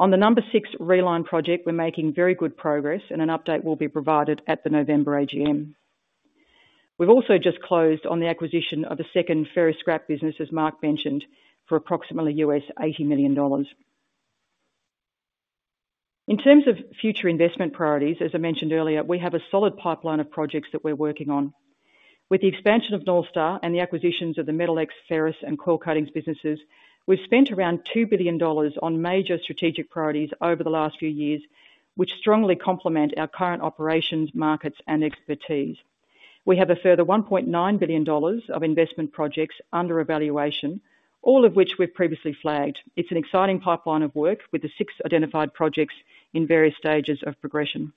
On the No. 6 Reline project, we're making very good progress and an update will be provided at the November AGM. We've also just closed on the acquisition of a second ferrous scrap business, as Mark mentioned, for approximately $80 million. In terms of future investment priorities, as I mentioned earlier, we have a solid pipeline of projects that we're working on. With the expansion of North Star and the acquisitions of the MetalX ferrous and Coil Coatings businesses, we've spent around 2 billion dollars on major strategic priorities over the last few years, which strongly complement our current operations, markets, and expertise. We have a further 1.9 billion dollars of investment projects under evaluation, all of which we've previously flagged. It's an exciting pipeline of work with the six identified projects in various stages of progression.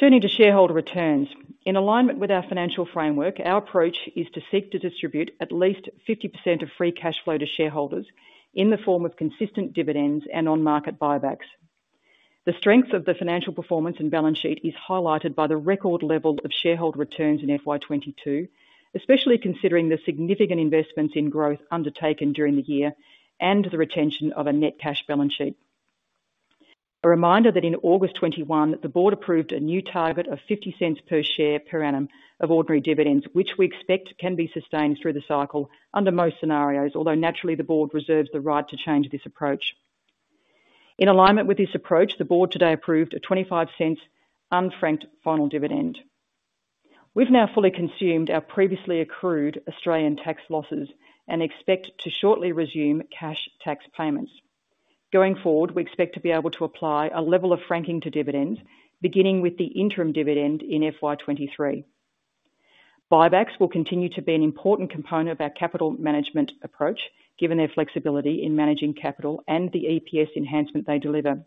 Turning to shareholder returns. In alignment with our financial framework, our approach is to seek to distribute at least 50% of free cash flow to shareholders in the form of consistent dividends and on-market buybacks. The strength of the financial performance and balance sheet is highlighted by the record level of shareholder returns in FY 2022, especially considering the significant investments in growth undertaken during the year and the retention of a net cash balance sheet. A reminder that in August 2021, the board approved a new target of 0.50 per share per annum of ordinary dividends, which we expect can be sustained through the cycle under most scenarios. Although naturally, the board reserves the right to change this approach. In alignment with this approach, the board today approved a 0.25 unfranked final dividend. We've now fully consumed our previously accrued Australian tax losses and expect to shortly resume cash tax payments. Going forward, we expect to be able to apply a level of franking to dividends, beginning with the interim dividend in FY 2023. Buybacks will continue to be an important component of our capital management approach, given their flexibility in managing capital and the EPS enhancement they deliver.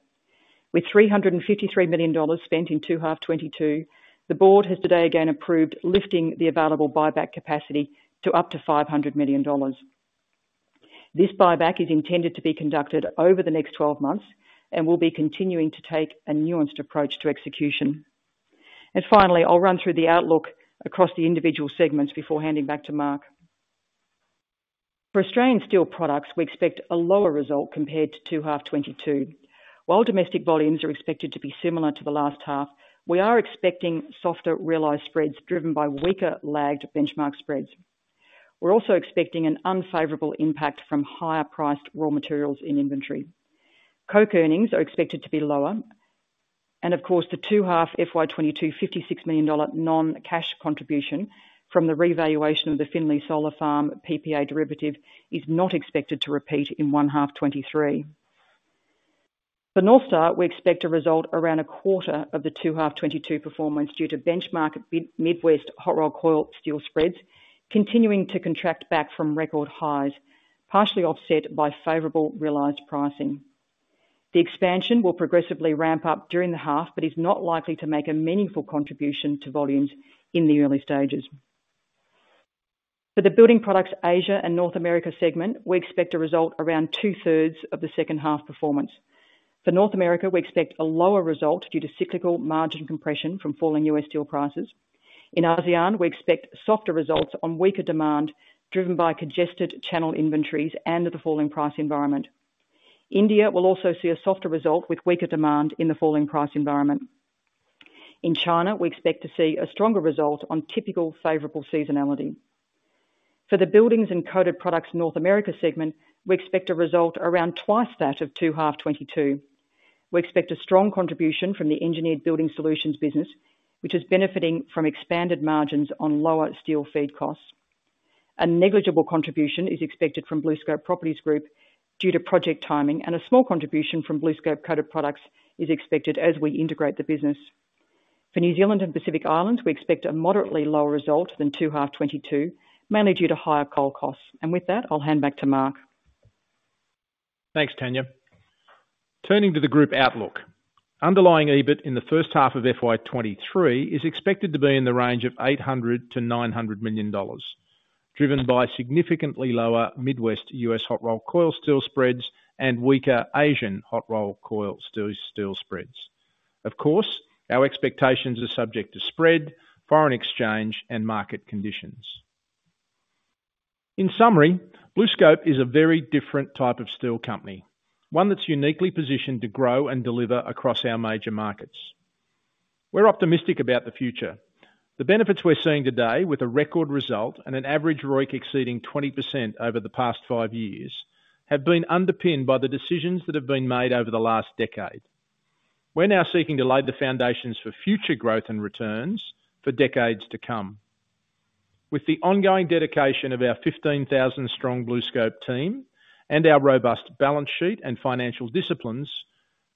With 353 million dollars spent in 2H 2022, the board has today again approved lifting the available buyback capacity to up to 500 million dollars. This buyback is intended to be conducted over the next 12 months and will be continuing to take a nuanced approach to execution. Finally, I'll run through the outlook across the individual segments before handing back to Mark. For Australian Steel Products, we expect a lower result compared to 2H 2022. While domestic volumes are expected to be similar to the last half, we are expecting softer realized spreads driven by weaker lagged benchmark spreads. We're also expecting an unfavorable impact from higher-priced raw materials in inventory. Coated earnings are expected to be lower, and of course, the 2H FY2022 AUD 56 million non-cash contribution from the revaluation of the Finley Solar Farm PPA derivative is not expected to repeat in 1H23. For North Star, we expect a result around a quarter of the 2H22 performance due to benchmark Midwest hot-rolled coil steel spreads continuing to contract back from record highs, partially offset by favorable realized pricing. The expansion will progressively ramp up during the half, but is not likely to make a meaningful contribution to volumes in the early stages. For the Building Products Asia and North America segment, we expect a result around two-thirds of the second half performance. For North America, we expect a lower result due to cyclical margin compression from falling US steel prices. In ASEAN, we expect softer results on weaker demand, driven by congested channel inventories and the falling price environment. India will also see a softer result with weaker demand in the falling price environment. In China, we expect to see a stronger result on typical favorable seasonality. For the Buildings and Coated Products North America segment, we expect a result around twice that of 2H 2022. We expect a strong contribution from the engineered building solutions business, which is benefiting from expanded margins on lower steel feed costs. A negligible contribution is expected from BlueScope Properties Group due to project timing, and a small contribution from BlueScope Coated Products is expected as we integrate the business. For New Zealand and Pacific Islands, we expect a moderately lower result than 2H 2022, mainly due to higher coal costs. With that, I'll hand back to Mark. Thanks, Tania. Turning to the group outlook. Underlying EBIT in the first half of FY 2023 is expected to be in the range of 800 million-900 million dollars, driven by significantly lower Midwest U.S. hot-rolled coil steel spreads and weaker Asian hot-rolled coil steel spreads. Our expectations are subject to spreads, foreign exchange, and market conditions. In summary, BlueScope is a very different type of steel company, one that's uniquely positioned to grow and deliver across our major markets. We're optimistic about the future. The benefits we're seeing today with a record result and an average ROIC exceeding 20% over the past five years have been underpinned by the decisions that have been made over the last decade. We're now seeking to lay the foundations for future growth and returns for decades to come. With the ongoing dedication of our 15,000-strong BlueScope team and our robust balance sheet and financial disciplines,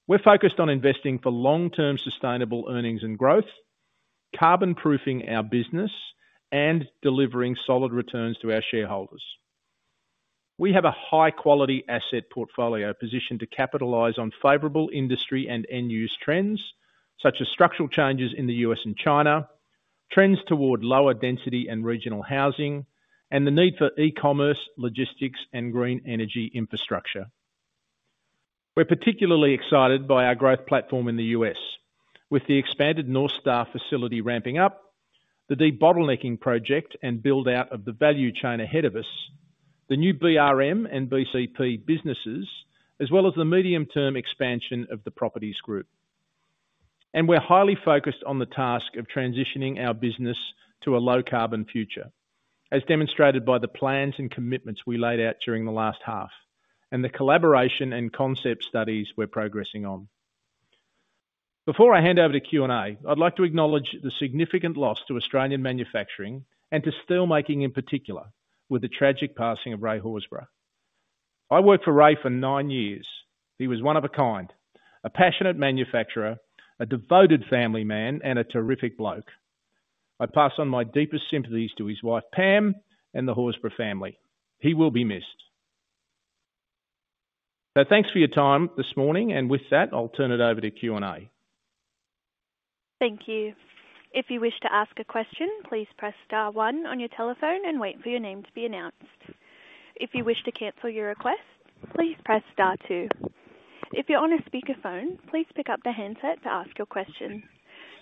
we're focused on investing for long-term sustainable earnings and growth, carbon-proofing our business, and delivering solid returns to our shareholders. We have a high-quality asset portfolio positioned to capitalize on favorable industry and end-use trends, such as structural changes in the U.S. and China, trends toward lower density and regional housing, and the need for e-commerce, logistics, and green energy infrastructure. We're particularly excited by our growth platform in the U.S. With the expanded North Star facility ramping up, the debottlenecking project and build-out of the value chain ahead of us. The new BRM and BCP businesses, as well as the medium-term expansion of the Properties Group. We're highly focused on the task of transitioning our business to a low-carbon future, as demonstrated by the plans and commitments we laid out during the last half, and the collaboration and concept studies we're progressing on. Before I hand over to Q&A, I'd like to acknowledge the significant loss to Australian manufacturing and to steelmaking in particular, with the tragic passing of Ray Horsburgh. I worked for Ray for nine years. He was one of a kind, a passionate manufacturer, a devoted family man, and a terrific bloke. I pass on my deepest sympathies to his wife, Pam, and the Horsburgh family. He will be missed. Thanks for your time this morning. With that, I'll turn it over to Q&A. Thank you. If you wish to ask a question, please press star one on your telephone and wait for your name to be announced. If you wish to cancel your request, please press star two. If you're on a speakerphone, please pick up the handset to ask your question.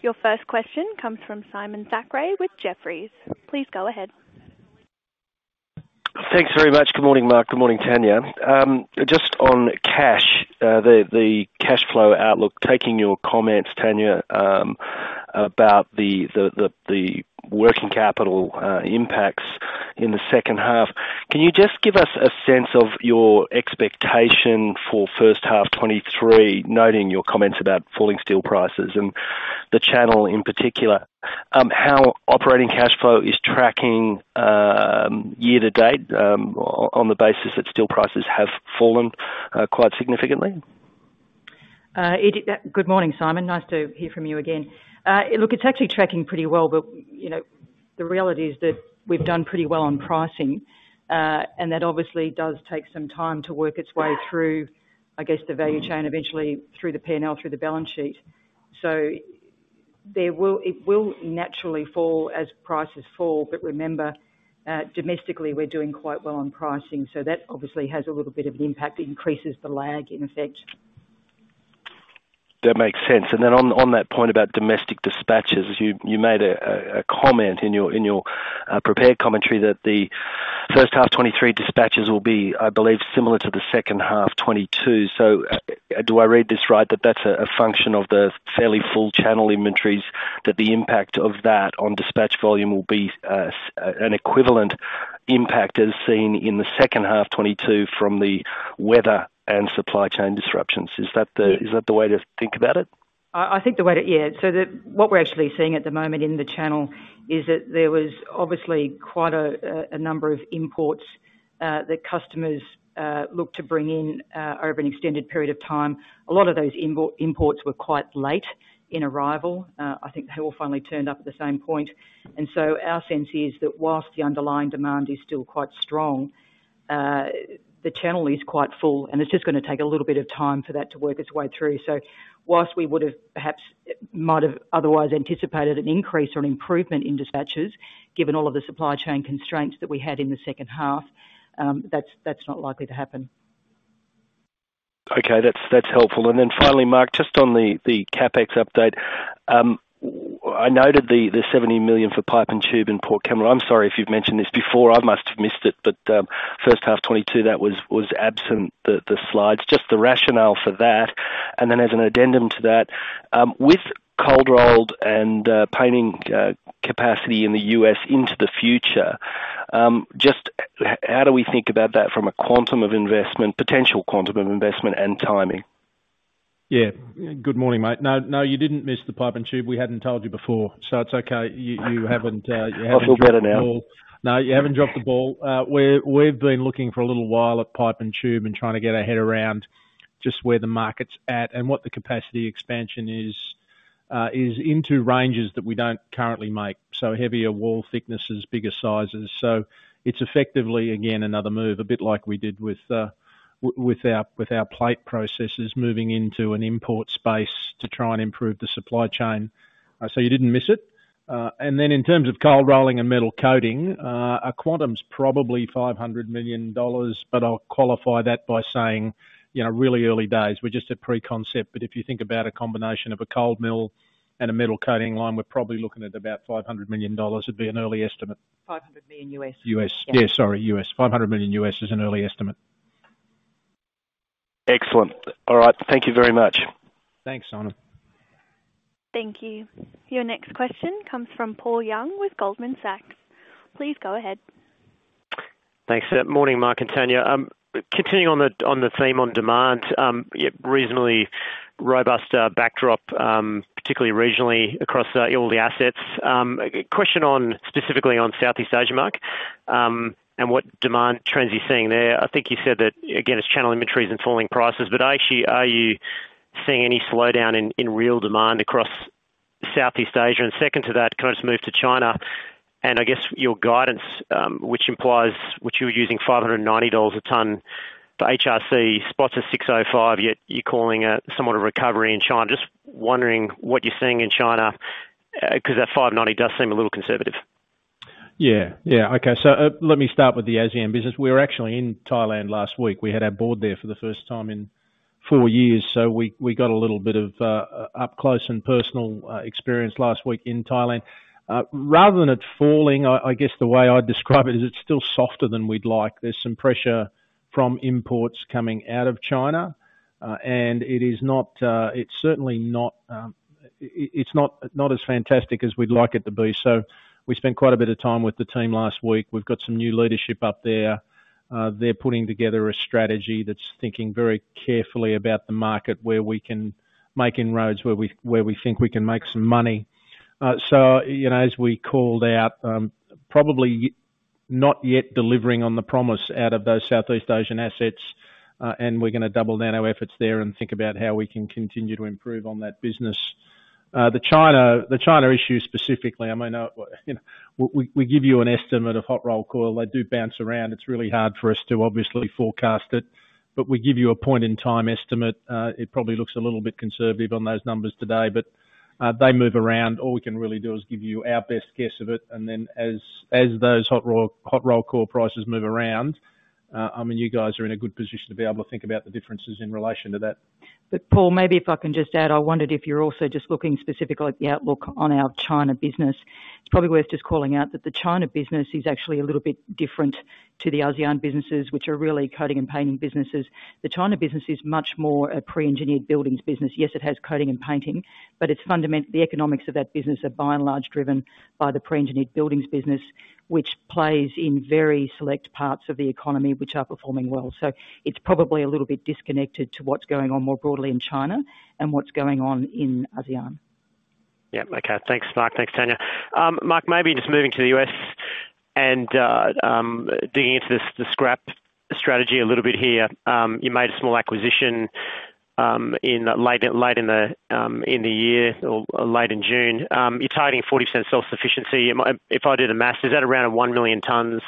Your first question comes from Simon Thackray with Jefferies. Please go ahead. Thanks very much. Good morning, Mark. Good morning, Tania. Just on cash, the cash flow outlook, taking your comments, Tania, about the working capital impacts in the second half, can you just give us a sense of your expectation for first half 2023, noting your comments about falling steel prices and the channel in particular, how operating cash flow is tracking, year to date, on the basis that steel prices have fallen, quite significantly? Good morning, Simon. Nice to hear from you again. Look, it's actually tracking pretty well, but, you know, the reality is that we've done pretty well on pricing, and that obviously does take some time to work its way through, I guess, the value chain, eventually through the P&L, through the balance sheet. It will naturally fall as prices fall, but remember, domestically, we're doing quite well on pricing, so that obviously has a little bit of an impact. It increases the lag in effect. That makes sense. On that point about domestic dispatches, you made a comment in your prepared commentary that the first half 2023 dispatches will be, I believe, similar to the second half 2022. Do I read this right? That that's a function of the fairly full channel inventories, that the impact of that on dispatch volume will be an equivalent impact as seen in the second half 2022 from the weather and supply chain disruptions. Is that the way to think about it? What we're actually seeing at the moment in the channel is that there was obviously quite a number of imports that customers looked to bring in over an extended period of time. A lot of those imports were quite late in arrival. I think they all finally turned up at the same point. Our sense is that while the underlying demand is still quite strong, the channel is quite full, and it's just gonna take a little bit of time for that to work its way through. While we would have perhaps might have otherwise anticipated an increase or an improvement in dispatches, given all of the supply chain constraints that we had in the second half, that's not likely to happen. Okay. That's helpful. Finally, Mark, just on the Capex update, I noted the 70 million for pipe and tube in Port Kembla. I'm sorry if you've mentioned this before, I must have missed it, but first half 2022, that was absent the slides. Just the rationale for that. As an addendum to that, with cold rolled and painting capacity in the U.S. into the future, just how do we think about that from a quantum of investment, potential quantum of investment and timing? Yeah. Good morning, mate. No, no, you didn't miss the pipe and tube. We hadn't told you before. It's okay. You haven't. I feel better now. No, you haven't dropped the ball. We've been looking for a little while at pipe and tube and trying to get our head around just where the market's at and what the capacity expansion is into ranges that we don't currently make, so heavier wall thicknesses, bigger sizes. It's effectively, again, another move, a bit like we did with our plate processes, moving into an import space to try and improve the supply chain. You didn't miss it. In terms of cold rolling and metal coating, our quantum's probably $500 million, but I'll qualify that by saying, you know, really early days. We're just at pre-concept. If you think about a combination of a cold mill and a metal coating line, we're probably looking at about 500 million dollars would be an early estimate. $500 million. U.S. Yeah. Yeah. Sorry. $500 million is an early estimate. Excellent. All right. Thank you very much. Thanks, Simon. Thank you. Your next question comes from Paul Young with Goldman Sachs. Please go ahead. Thanks. Morning, Mark and Tania. Continuing on the theme on demand, yeah, reasonably robust backdrop, particularly regionally across all the assets. A question specifically on Southeast Asia, Mark, and what demand trends you're seeing there. I think you said that, again, it's channel inventories and falling prices, but are you seeing any slowdown in real demand across Southeast Asia? Second to that, can I just move to China and I guess your guidance, which you're using $590 a ton. The HRC spots are $605, yet you're calling it somewhat a recovery in China. Just wondering what you're seeing in China, 'cause that 590 does seem a little conservative. Okay. Let me start with the ASEAN business. We were actually in Thailand last week. We had our board there for the first time in four years, we got a little bit of up close and personal experience last week in Thailand. Rather than it falling, I guess the way I'd describe it is it's still softer than we'd like. There's some pressure from imports coming out of China, and it is not, it's certainly not, it's not as fantastic as we'd like it to be. We spent quite a bit of time with the team last week. We've got some new leadership up there. They're putting together a strategy that's thinking very carefully about the market where we can make inroads, where we think we can make some money. You know, as we called out, probably not yet delivering on the promise out of those Southeast Asian assets, and we're gonna double down our efforts there and think about how we can continue to improve on that business. The China issue specifically, I mean, you know, we give you an estimate of hot-rolled coil. They do bounce around. It's really hard for us to obviously forecast it, but we give you a point-in-time estimate. It probably looks a little bit conservative on those numbers today, but they move around. All we can really do is give you our best guess of it and then as those hot-rolled coil prices move around, I mean, you guys are in a good position to be able to think about the differences in relation to that. Paul, maybe if I can just add, I wondered if you're also just looking specifically at the outlook on our China business. It's probably worth just calling out that the China business is actually a little bit different to the ASEAN businesses, which are really coating and painting businesses. The China business is much more a pre-engineered buildings business. Yes, it has coating and painting, but it's the economics of that business are by and large driven by the pre-engineered buildings business, which plays in very select parts of the economy which are performing well. It's probably a little bit disconnected to what's going on more broadly in China and what's going on in ASEAN. Yeah. Okay. Thanks, Mark. Thanks, Tania. Mark, maybe just moving to the U.S. and digging into this, the scrap strategy a little bit here. You made a small acquisition in late in the year or late in June. You're targeting 40% self-sufficiency. If I did the math, is that around 1 million tons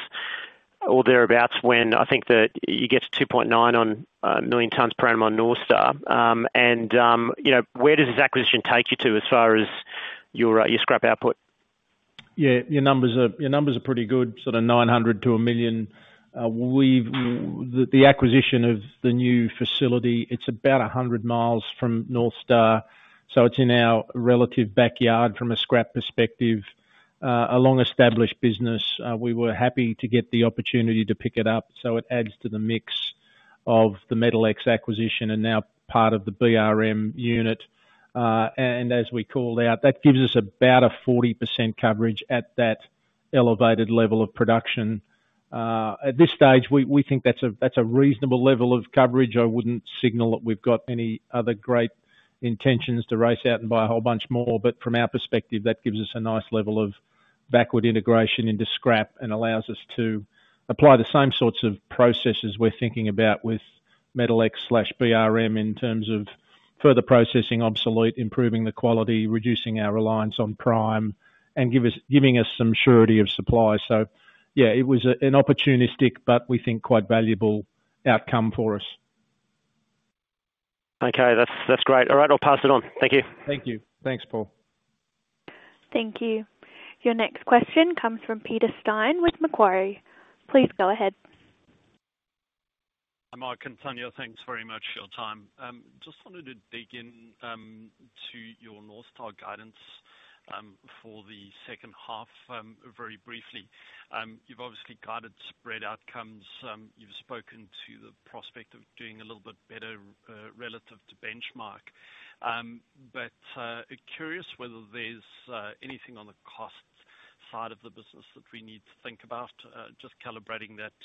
or thereabouts when I think that you get to 2.9 million tons per annum on North Star? You know, where does this acquisition take you to as far as your scrap output? Yeah, your numbers are pretty good, sort of 900 to 1 million. We've. The acquisition of the new facility, it's about 100 miles from North Star, so it's in our relative backyard from a scrap perspective. A long-established business. We were happy to get the opportunity to pick it up, so it adds to the mix of the MetalX acquisition and now part of the BRM unit. As we called out, that gives us about a 40% coverage at that elevated level of production. At this stage, we think that's a reasonable level of coverage. I wouldn't signal that we've got any other great intentions to race out and buy a whole bunch more. From our perspective, that gives us a nice level of backward integration into scrap and allows us to apply the same sorts of processes we're thinking about with MetalX/BRM in terms of further processing obsolete, improving the quality, reducing our reliance on prime, and giving us some surety of supply. Yeah, it was an opportunistic, but we think quite valuable outcome for us. Okay. That's great. All right. I'll pass it on. Thank you. Thank you. Thanks, Paul. Thank you. Your next question comes from Peter Steyn with Macquarie. Please go ahead. Mark and Tania, thanks very much for your time. Just wanted to dig in to your North Star guidance for the second half very briefly. You've obviously guided spread outcomes. You've spoken to the prospect of doing a little bit better relative to benchmark. Curious whether there's anything on the cost side of the business that we need to think about just calibrating that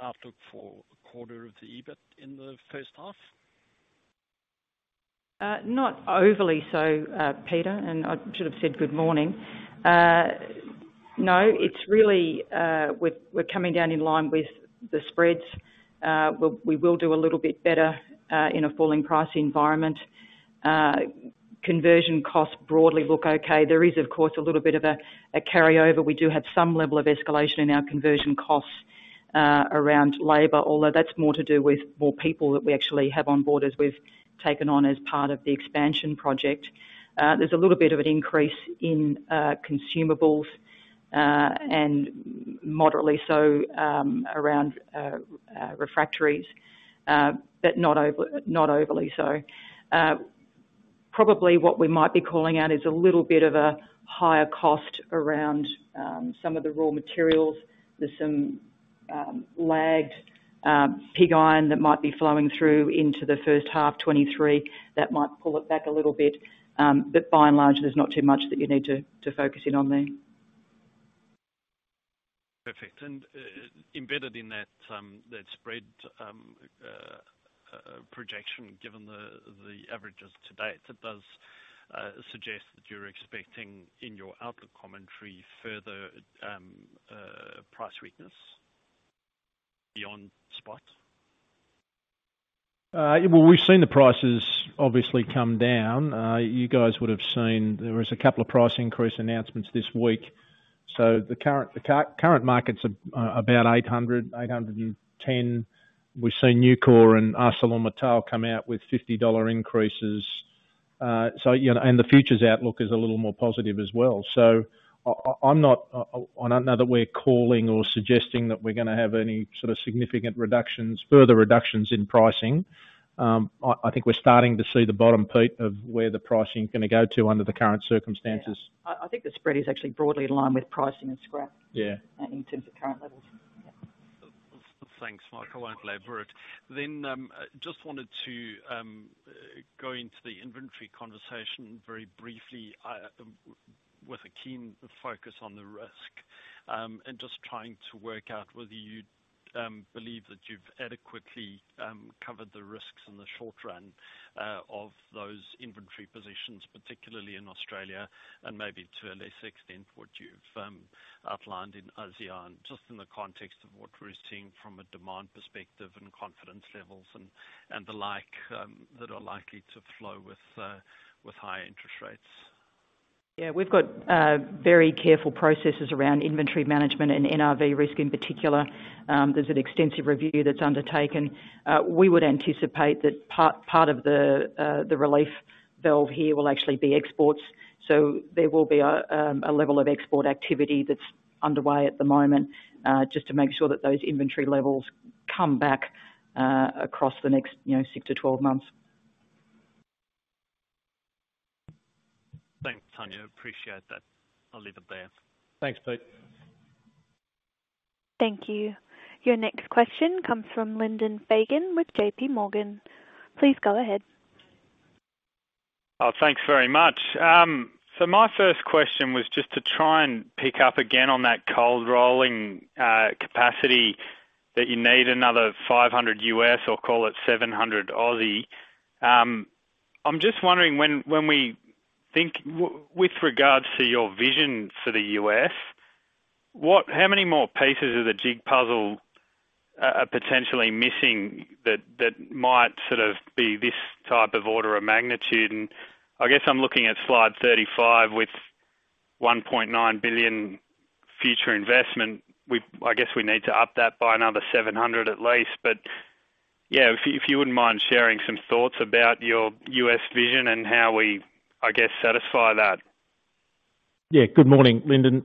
outlook for a quarter of the EBIT in the first half. Not overly so, Peter, and I should have said good morning. No, it's really, we're coming down in line with the spreads. We'll do a little bit better in a falling price environment. Conversion costs broadly look okay. There is, of course, a little bit of a carryover. We do have some level of escalation in our conversion costs around labor, although that's more to do with more people that we actually have on board as we've taken on as part of the expansion project. There's a little bit of an increase in consumables and moderately so around refractories, but not overly so. Probably what we might be calling out is a little bit of a higher cost around some of the raw materials. There's some lagged pig iron that might be flowing through into the first half 2023 that might pull it back a little bit. By and large, there's not too much that you need to focus in on there. Perfect. Embedded in that spread projection, given the averages to date, it does suggest that you're expecting in your outlook commentary further price weakness beyond spot? Well, we've seen the prices obviously come down. You guys would have seen there was a couple of price increase announcements this week. The current market's about 800, 810. We've seen Nucor and ArcelorMittal come out with $50 increases, so you know, and the future's outlook is a little more positive as well. I'm not, I don't know that we're calling or suggesting that we're gonna have any sort of significant reductions, further reductions in pricing. I think we're starting to see the bottom peak of where the pricing's gonna go to under the current circumstances. Yeah. I think the spread is actually broadly in line with pricing and scrap. Yeah. in terms of current levels. Yeah. Thanks, Mike. I won't labor it. I just wanted to go into the inventory conversation very briefly, with a keen focus on the risk, and just trying to work out whether you'd believe that you've adequately covered the risks in the short run of those inventory positions, particularly in Australia and maybe to a lesser extent what you've outlined in ASEAN, just in the context of what we're seeing from a demand perspective and confidence levels and the like that are likely to flow with high interest rates. Yeah. We've got very careful processes around inventory management and NRV risk in particular. There's an extensive review that's undertaken. We would anticipate that part of the relief valve here will actually be exports. There will be a level of export activity that's underway at the moment, just to make sure that those inventory levels come back across the next, you know, 6-12 months. Thanks, Tania. Appreciate that. I'll leave it there. Thanks, Pete. Thank you. Your next question comes from Lyndon Fagan with JP Morgan. Please go ahead. Oh, thanks very much. My first question was just to try and pick up again on that cold rolling capacity that you need another $500 million or call it 700 million. I'm just wondering when we think with regards to your vision for the U.S., how many more pieces of the jigsaw puzzle are potentially missing that might sort of be this type of order of magnitude. I guess I'm looking at slide 35 with 1.9 billion future investment. I guess we need to up that by another 700 million at least. Yeah, if you wouldn't mind sharing some thoughts about your U.S. vision and how we, I guess, satisfy that. Good morning, Lyndon.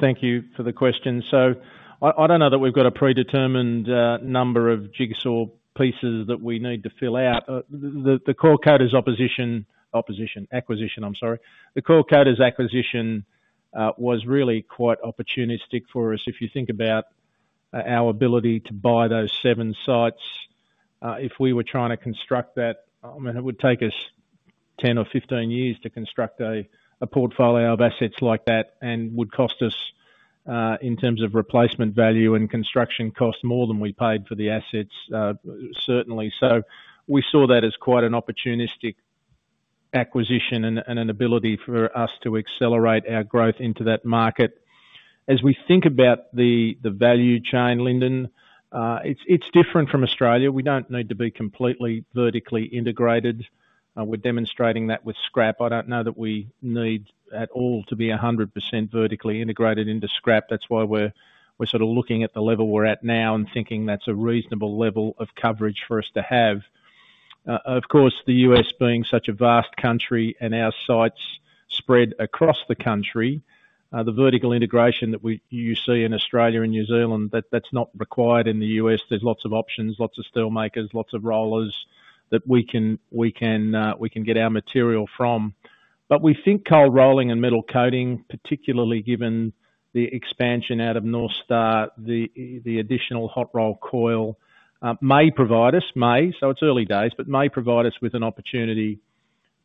Thank you for the question. I don't know that we've got a predetermined number of jigsaw pieces that we need to fill out. The Coil Coatings acquisition was really quite opportunistic for us. If you think about our ability to buy those seven sites, if we were trying to construct that, I mean, it would take us 10 or 15 years to construct a portfolio of assets like that and would cost us, in terms of replacement value and construction cost, more than we paid for the assets, certainly. We saw that as quite an opportunistic acquisition and an ability for us to accelerate our growth into that market. As we think about the value chain, Lyndon, it's different from Australia. We don't need to be completely vertically integrated. We're demonstrating that with scrap. I don't know that we need at all to be 100% vertically integrated into scrap. That's why we're sort of looking at the level we're at now and thinking that's a reasonable level of coverage for us to have. Of course, the U.S. being such a vast country and our sites spread across the country, the vertical integration that you see in Australia and New Zealand, that's not required in the U.S. There's lots of options, lots of steel makers, lots of rollers that we can get our material from. We think cold rolling and metal coating, particularly given the expansion out of North Star, the additional hot-rolled coil, so it's early days, but may provide us with an opportunity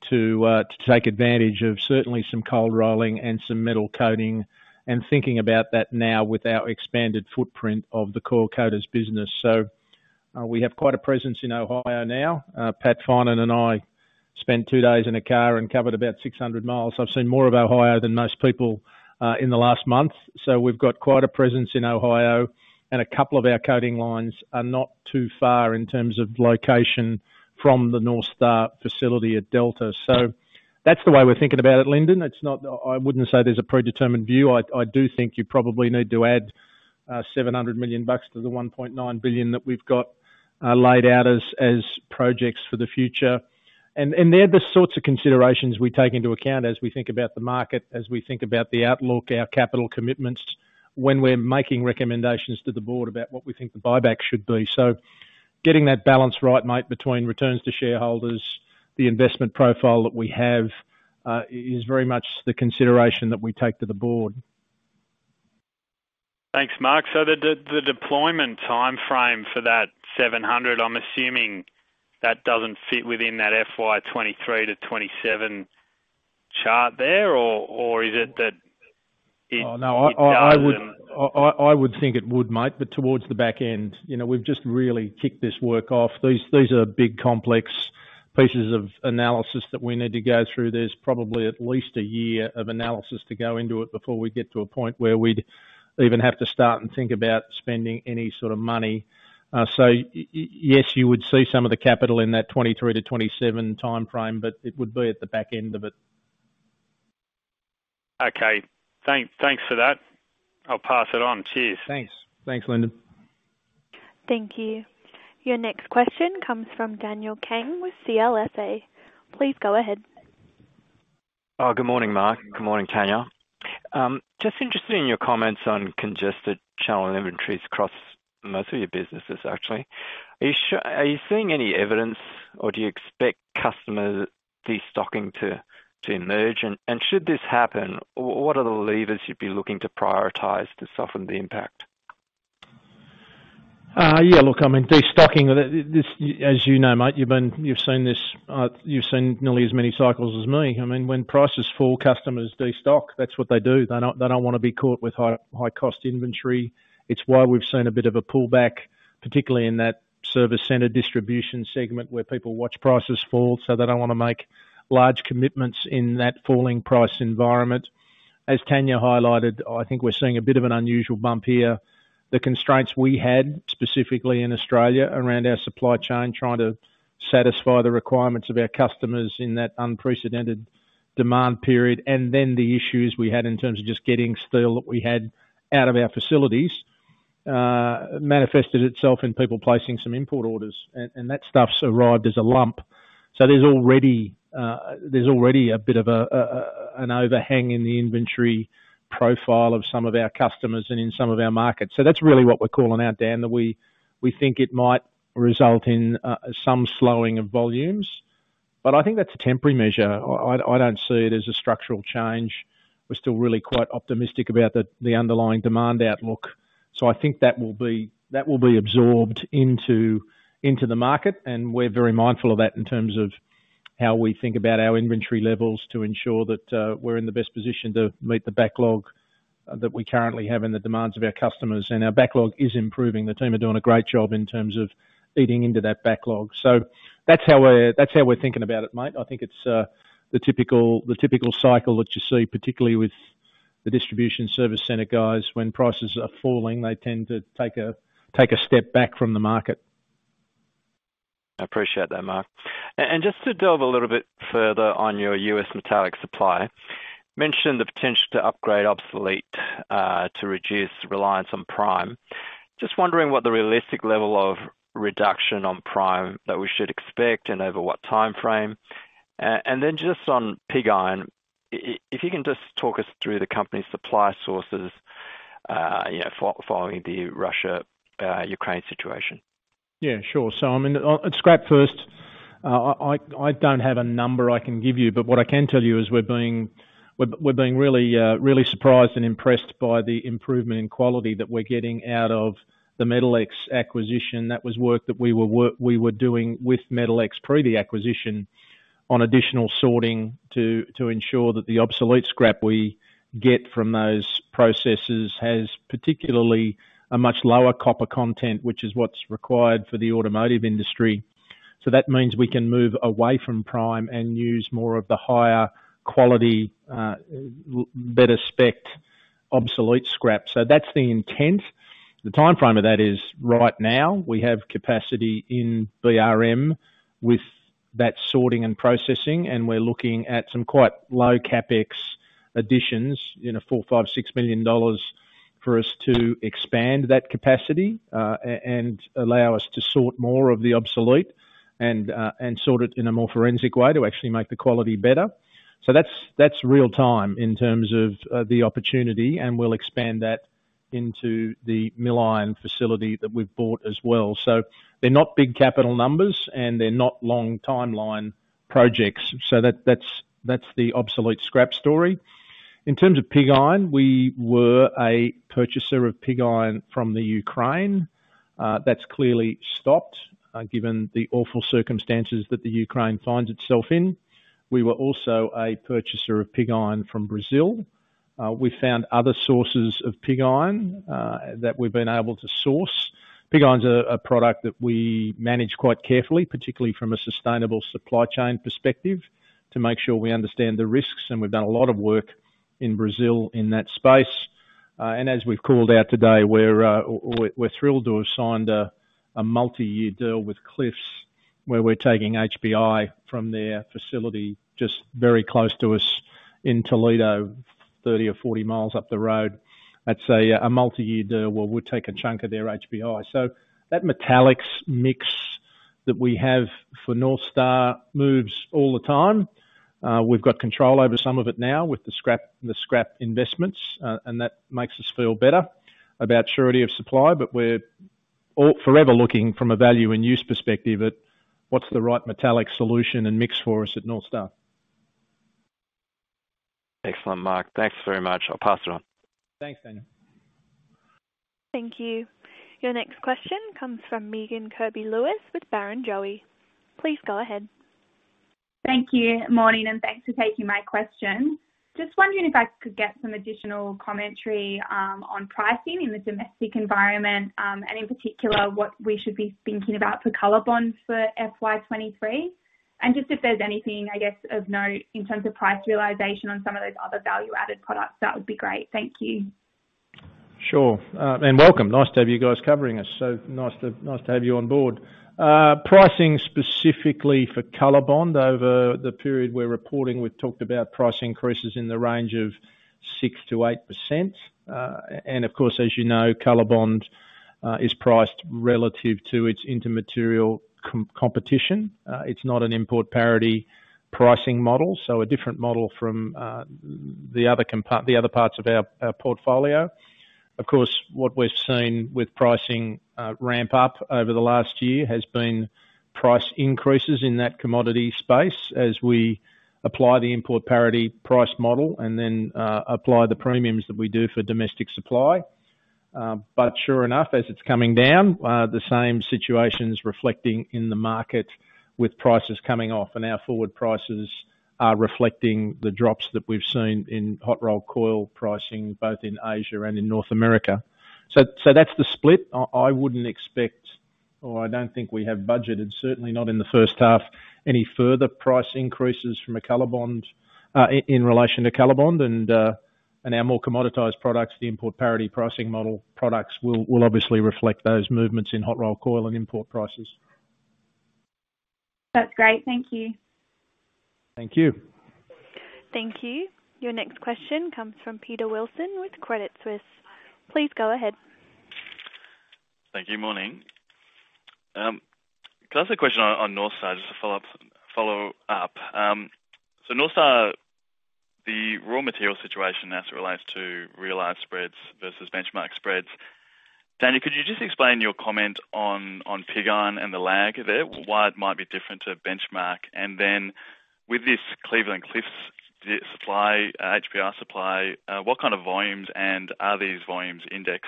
to take advantage of certainly some cold rolling and some metal coating and thinking about that now with our expanded footprint of the Coil Coaters business. We have quite a presence in Ohio now. Pat Finan and I spent two days in a car and covered about 600 miles. I've seen more of Ohio than most people in the last month. We've got quite a presence in Ohio, and a couple of our coating lines are not too far in terms of location from the North Star facility at Delta. That's the way we're thinking about it, Lyndon. It's not. I wouldn't say there's a predetermined view. I do think you probably need to add 700 million bucks to the 1.9 billion that we've got laid out as projects for the future. They're the sorts of considerations we take into account as we think about the market, as we think about the outlook, our capital commitments when we're making recommendations to the board about what we think the buyback should be. Getting that balance right, mate, between returns to shareholders, the investment profile that we have, is very much the consideration that we take to the board. Thanks, Mark. The deployment timeframe for that 700, I'm assuming that doesn't fit within that FY 2023-2027 chart there or is it that it- Oh, no. I would -it does and- I would think it would, mate, but towards the back end. You know, we've just really kicked this work off. These are big, complex pieces of analysis that we need to go through. There's probably at least a year of analysis to go into it before we get to a point where we'd even have to start and think about spending any sort of money. Yes, you would see some of the capital in that 2023-2027 timeframe, but it would be at the back end of it. Okay. Thanks for that. I'll pass it on. Cheers. Thanks. Thanks, Lyndon. Thank you. Your next question comes from Daniel Kang with CLSA. Please go ahead. Good morning, Mark. Good morning, Tania. Just interested in your comments on congested channel inventories across most of your businesses actually. Are you seeing any evidence or do you expect customer destocking to emerge? Should this happen, what are the levers you'd be looking to prioritize to soften the impact? Yeah, look, I mean, destocking, this, as you know, mate, you've seen this, you've seen nearly as many cycles as me. I mean, when prices fall, customers destock. That's what they do. They don't wanna be caught with high cost inventory. It's why we've seen a bit of a pullback, particularly in that service center distribution segment, where people watch prices fall, so they don't wanna make large commitments in that falling price environment. As Tania highlighted, I think we're seeing a bit of an unusual bump here. The constraints we had specifically in Australia around our supply chain, trying to satisfy the requirements of our customers in that unprecedented demand period. The issues we had in terms of just getting steel that we had out of our facilities manifested itself in people placing some import orders. That stuff's arrived as a lump. There's already a bit of an overhang in the inventory profile of some of our customers and in some of our markets. That's really what we're calling out, Dan, that we think it might result in some slowing of volumes, but I think that's a temporary measure. I don't see it as a structural change. We're still really quite optimistic about the underlying demand outlook, so I think that will be absorbed into the market, and we're very mindful of that in terms of how we think about our inventory levels to ensure that we're in the best position to meet the backlog that we currently have and the demands of our customers. Our backlog is improving. The team are doing a great job in terms of eating into that backlog. That's how we're thinking about it, mate. I think it's the typical cycle that you see, particularly with the distribution service center guys. When prices are falling, they tend to take a step back from the market. I appreciate that, Mark. Just to delve a little bit further on your U.S. metallics supply, mentioned the potential to upgrade obsolete to reduce reliance on prime. Just wondering what the realistic level of reduction on prime that we should expect and over what timeframe. Just on pig iron, if you can just talk us through the company's supply sources, you know, following the Russia-Ukraine situation. Yeah, sure. I mean, on scrap first, I don't have a number I can give you, but what I can tell you is we're being really surprised and impressed by the improvement in quality that we're getting out of the MetalX acquisition. That was work that we were doing with MetalX pre the acquisition on additional sorting to ensure that the obsolete scrap we get from those processes has particularly a much lower copper content, which is what's required for the automotive industry. That means we can move away from prime and use more of the higher quality, better spec'd obsolete scrap. That's the intent. The timeframe of that is right now. We have capacity in BRM with that sorting and processing, and we're looking at some quite low Capex additions, you know, $4-$6 million for us to expand that capacity, and allow us to sort more of the obsolete and sort it in a more forensic way to actually make the quality better. That's real-time in terms of the opportunity, and we'll expand that into the Mill Iron facility that we've bought as well. They're not big capital numbers, and they're not long timeline projects. That's the obsolete scrap story. In terms of pig iron, we were a purchaser of pig iron from Ukraine. That's clearly stopped, given the awful circumstances that Ukraine finds itself in. We were also a purchaser of pig iron from Brazil. We found other sources of pig iron that we've been able to source. Pig iron's a product that we manage quite carefully, particularly from a sustainable supply chain perspective, to make sure we understand the risks, and we've done a lot of work in Brazil in that space. As we've called out today, we're thrilled to have signed a multi-year deal with Cleveland-Cliffs, where we're taking HBI from their facility just very close to us in Toledo, 30 or 40 miles up the road. It's a multi-year deal where we'll take a chunk of their HBI. That metallics mix that we have for North Star moves all the time. We've got control over some of it now with the scrap investments. that makes us feel better about surety of supply, but we're forever looking from a value and use perspective at what's the right metallic solution and mix for us at North Star. Excellent, Mark. Thanks very much. I'll pass it on. Thanks, Daniel. Thank you. Your next question comes from Megan Kirby-Lewis with Barrenjoey. Please go ahead. Thank you. Morning, and thanks for taking my question. Just wondering if I could get some additional commentary on pricing in the domestic environment, and in particular, what we should be thinking about for COLORBOND for FY 2023. Just if there's anything, I guess, of note in terms of price realization on some of those other value-added products, that would be great. Thank you. Sure. Welcome. Nice to have you guys covering us. Nice to have you on board. Pricing specifically for COLORBOND over the period we're reporting, we've talked about price increases in the range of 6%-8%. Of course, as you know, COLORBOND is priced relative to its intermaterial competition. It's not an import parity pricing model, so a different model from the other parts of our portfolio. Of course, what we're seeing with pricing ramp up over the last year has been price increases in that commodity space as we apply the import parity price model and then apply the premiums that we do for domestic supply. Sure enough, as it's coming down, the same situation's reflecting in the market with prices coming off and our forward prices are reflecting the drops that we've seen in hot-rolled coil pricing both in Asia and in North America. That's the split. I wouldn't expect or I don't think we have budgeted, certainly not in the first half, any further price increases from a COLORBOND in relation to COLORBOND and our more commoditized products, the import parity pricing model products will obviously reflect those movements in hot-rolled coil and import prices. That's great. Thank you. Thank you. Thank you. Your next question comes from Peter Wilson with Credit Suisse. Please go ahead. Thank you. Morning. Can I ask a question on North Star just to follow up. North Star, the raw material situation as it relates to realized spreads versus benchmark spreads. Tania, could you just explain your comment on pig iron and the lag there, why it might be different to a benchmark? With this Cleveland-Cliffs supply, HBI supply, what kind of volumes and are these volumes indexed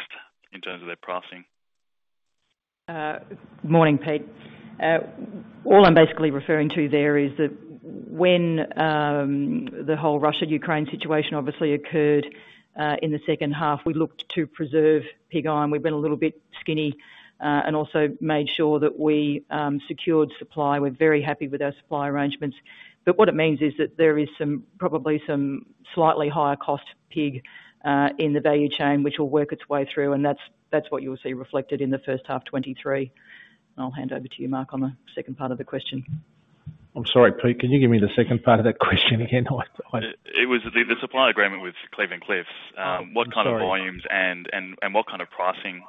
in terms of their pricing? Morning, Pete. All I'm basically referring to there is that when the whole Russia-Ukraine situation obviously occurred in the second half, we looked to preserve pig iron. We've been a little bit skinny, and also made sure that we secured supply. We're very happy with our supply arrangements. What it means is that there is some, probably some slightly higher cost pig in the value chain, which will work its way through, and that's what you'll see reflected in the first half 2023. I'll hand over to you, Mark, on the second part of the question. I'm sorry, Pete, can you give me the second part of that question again? It was the supply agreement with Cleveland-Cliffs. What kind of I'm sorry. Volumes and what kind of pricing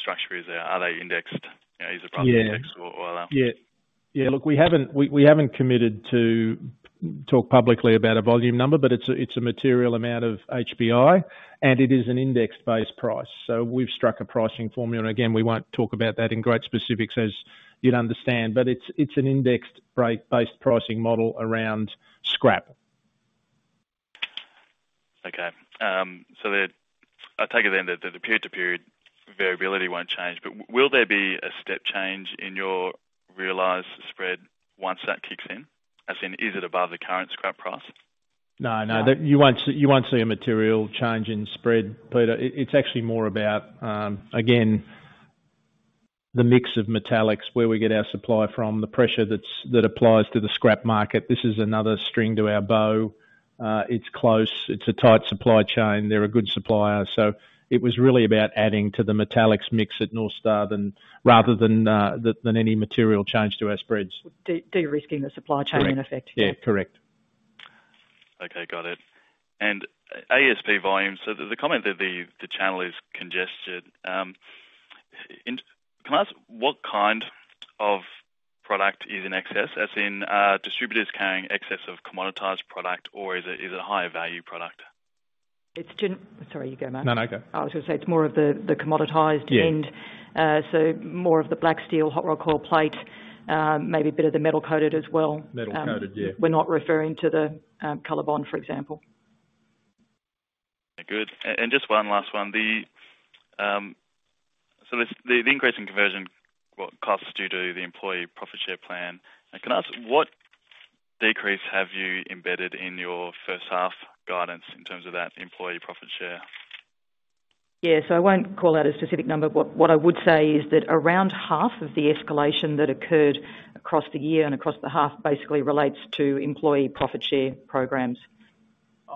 structure is there? Are they indexed? You know, is the price Yeah. -indexed or. Yeah. Yeah, look, we haven't committed to talk publicly about a volume number, but it's a material amount of HBI and it is an indexed base price. We've struck a pricing formula. Again, we won't talk about that in great specifics as you'd understand, but it's an index-based pricing model around scrap. Okay. There, I take it then that the period to period variability won't change, but will there be a step change in your realized spread once that kicks in? As in, is it above the current scrap price? No, no. That you won't see a material change in spread, Peter. It's actually more about again, the mix of metallics, where we get our supply from, the pressure that applies to the scrap market. This is another string to our bow. It's close. It's a tight supply chain. They're a good supplier. It was really about adding to the metallics mix at North Star rather than any material change to our spreads. De-risking the supply chain. Correct. in effect. Yeah, correct. Okay, got it. ASP volumes, so the comment that the channel is congested. Can I ask what kind of product is in excess? As in, are distributors carrying excess of commoditized product or is it a higher value product? Sorry, you go, Mark. No, no, go. I was gonna say it's more of the commoditized end. Yeah. More of the black steel hot-rolled coil plate, maybe a bit of the metal-coated as well. metal coated, yeah. We're not referring to the COLORBOND, for example. Good. Just one last one. The increase in conversion costs due to the employee profit share plan. Can I ask what decrease have you embedded in your first half guidance in terms of that employee profit share? Yeah. I won't call out a specific number, but what I would say is that around half of the escalation that occurred across the year and across the half basically relates to employee profit share programs.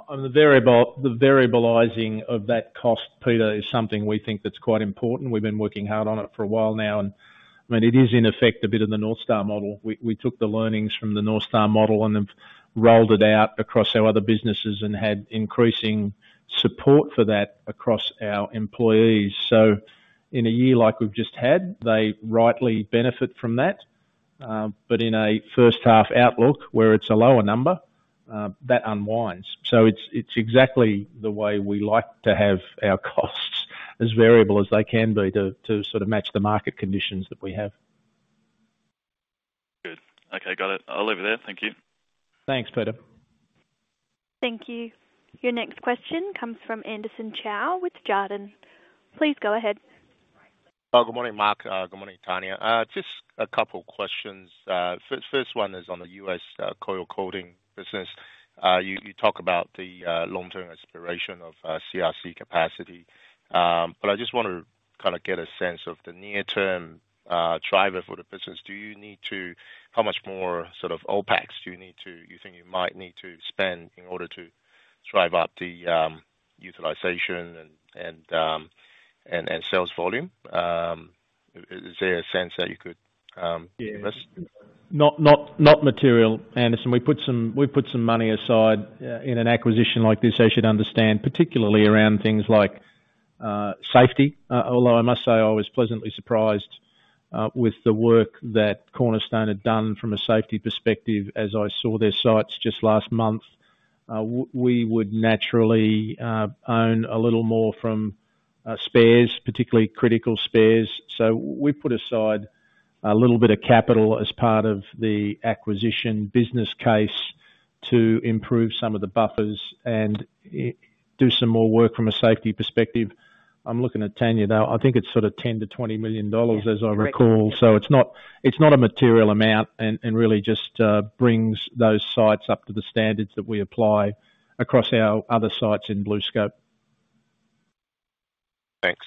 The variabilizing of that cost, Peter, is something we think that's quite important. We've been working hard on it for a while now, and I mean, it is in effect a bit of the North Star model. We took the learnings from the North Star model and have rolled it out across our other businesses and had increasing support for that across our employees. In a year like we've just had, they rightly benefit from that. But in a first half outlook where it's a lower number, that unwinds. It's exactly the way we like to have our costs as variable as they can be to sort of match the market conditions that we have. Good. Okay, got it. I'll leave it there. Thank you. Thanks, Peter. Thank you. Your next question comes from Anderson Chow with Jarden. Please go ahead. Good morning, Mark. Good morning, Tania. Just a couple questions. First one is on the U.S. coil coating business. You talk about the long-term aspiration of CRC capacity, but I just want to kind of get a sense of the near term driver for the business. How much more sort of Opex do you think you might need to spend in order to drive up the utilization and sales volume? Is there a sense that you could invest? Not material, Anderson. We put some money aside in an acquisition like this. I should understand, particularly around things like safety. Although I must say I was pleasantly surprised with the work that Cornerstone had done from a safety perspective as I saw their sites just last month. We would naturally own a little more from spares, particularly critical spares. So we put aside a little bit of capital as part of the acquisition business case to improve some of the buffers and do some more work from a safety perspective. I'm looking at Tania now. I think it's sort of 10 million-20 million dollars. Yeah. As I recall. It's not a material amount and really just brings those sites up to the standards that we apply across our other sites in BlueScope. Thanks.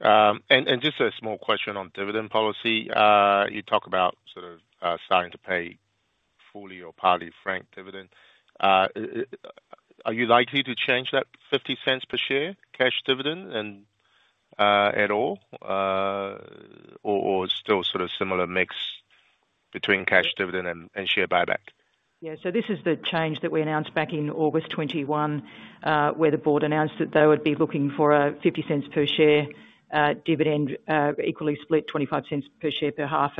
Just a small question on dividend policy. You talk about sort of starting to pay fully or partly franked dividend. Are you likely to change that 0.50 per share cash dividend at all? Still sort of similar mix between cash dividend and share buyback? This is the change that we announced back in August 2021, where the board announced that they would be looking for a 0.50 per share dividend, equally split 0.25 per share per half.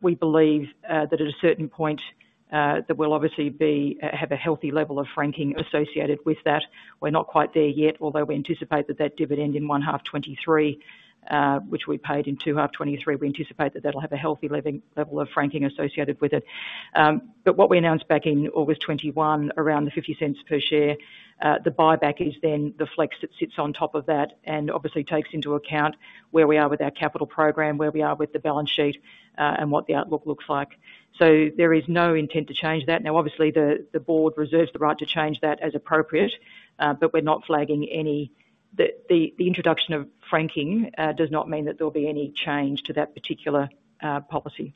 We believe that at a certain point that we'll obviously have a healthy level of franking associated with that. We're not quite there yet, although we anticipate that that dividend in 1H 2023, which we paid in 2H 2023, we anticipate that that'll have a healthy level of franking associated with it. What we announced back in August 2021, around the 0.50 per share, the buyback is then the flex that sits on top of that and obviously takes into account where we are with our capital program, where we are with the balance sheet, and what the outlook looks like. There is no intent to change that. Now obviously the board reserves the right to change that as appropriate, but we're not flagging any. The introduction of franking does not mean that there'll be any change to that particular policy.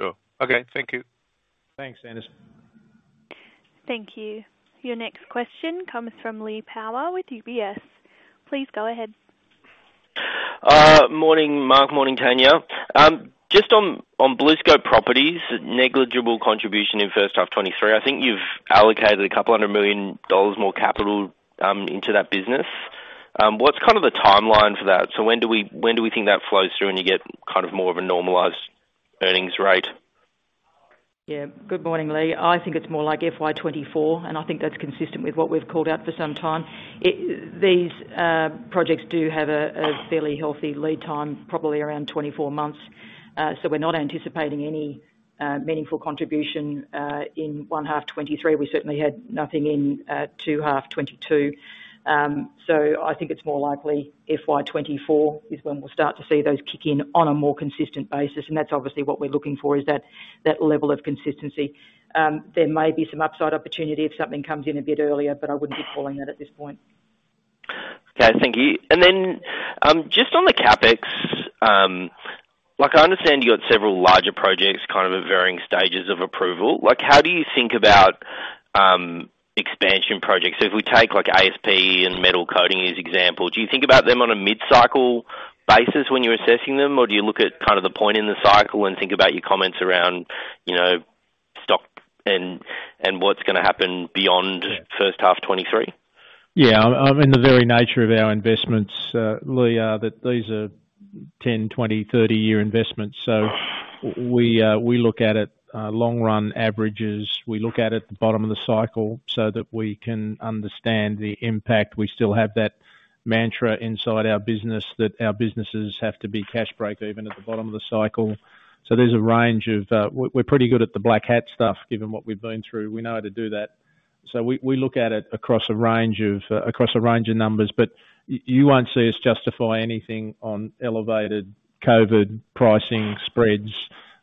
Sure. Okay. Thank you. Thanks, Anderson. Thank you. Your next question comes from Lee Power with UBS. Please go ahead. Morning, Mark. Morning, Tania. Just on BlueScope Properties negligible contribution in first half 2023. I think you've allocated a couple hundred million dollars more capital into that business. What's kind of the timeline for that? When do we think that flows through and you get kind of more of a normalized earnings rate? Good morning, Lee. I think it's more like FY 2024, and I think that's consistent with what we've called out for some time. These projects do have a fairly healthy lead time, probably around 24 months. We're not anticipating any meaningful contribution in 1H 2023. We certainly had nothing in 2H 2022. I think it's more likely FY 2024 is when we'll start to see those kick in on a more consistent basis, and that's obviously what we're looking for, is that level of consistency. There may be some upside opportunity if something comes in a bit earlier, but I wouldn't be calling that at this point. Okay. Thank you. Just on the Capex, look, I understand you got several larger projects kind of at varying stages of approval. Like how do you think about expansion projects? If we take like ASP and metal coating as example, do you think about them on a mid-cycle basis when you're assessing them? Or do you look at kind of the point in the cycle and think about your comments around, you know, stock and what's gonna happen beyond. First half 2023? Yeah. I mean, the very nature of our investments, Lee, are that these are 10-, 20-, 30-year investments. We look at it long run averages. We look at it the bottom of the cycle so that we can understand the impact. We still have that mantra inside our business that our businesses have to be cash break even at the bottom of the cycle. There's a range of. We're pretty good at the black hat stuff, given what we've been through. We know how to do that. We look at it across a range of numbers, but you won't see us justify anything on elevated COVID pricing spreads.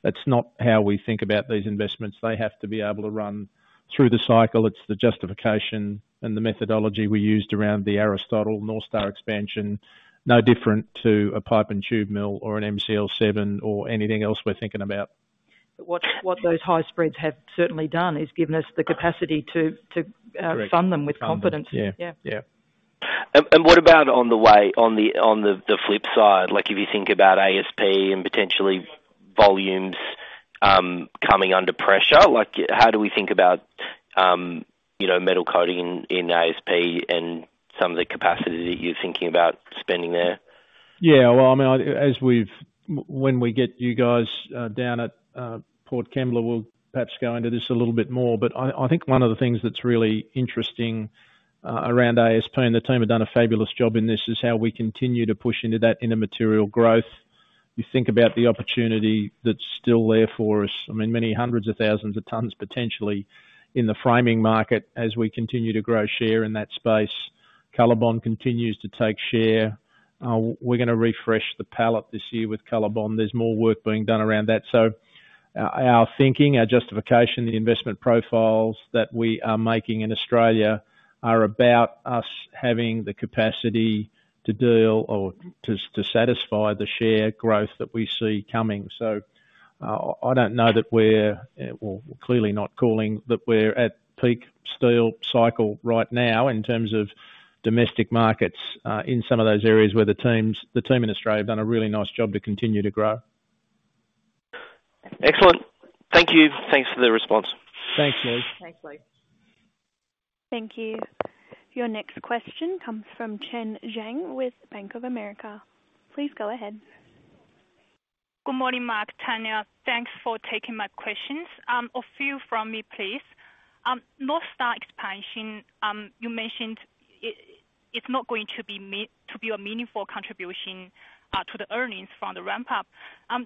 That's not how we think about these investments. They have to be able to run through the cycle. It's the justification and the methodology we used around the Aristotle North Star expansion, no different to a pipe and tube mill or an MCL7 or anything else we're thinking about. What those high spreads have certainly done is given us the capacity to, Correct. Fund them with confidence. Fund them. Yeah. Yeah. What about on the flip side? Like if you think about ASP and potentially volumes coming under pressure, like how do we think about, you know, metal coating in ASP and some of the capacity that you're thinking about spending there? Well, I mean, as we've, when we get you guys down at Port Kembla, we'll perhaps go into this a little bit more. I think one of the things that's really interesting around ASP, and the team have done a fabulous job in this, is how we continue to push into that inner material growth. You think about the opportunity that's still there for us. I mean, many hundreds of thousands of tons potentially in the framing market as we continue to grow share in that space. COLORBOND continues to take share. We're gonna refresh the palette this year with COLORBOND. There's more work being done around that. Our thinking, our justification, the investment profiles that we are making in Australia are about us having the capacity to deal or to satisfy the share growth that we see coming. I don't know that we're, well, clearly not calling that we're at peak steel cycle right now in terms of domestic markets, in some of those areas where the team in Australia have done a really nice job to continue to grow. Excellent. Thank you. Thanks for the response. Thanks, Lee. Thanks, Lee. Thank you. Your next question comes from Chen Jiang with Bank of America. Please go ahead. Good morning, Mark, Tania. Thanks for taking my questions. A few from me, please. North Star expansion, you mentioned it's not going to be a meaningful contribution to the earnings from the ramp up.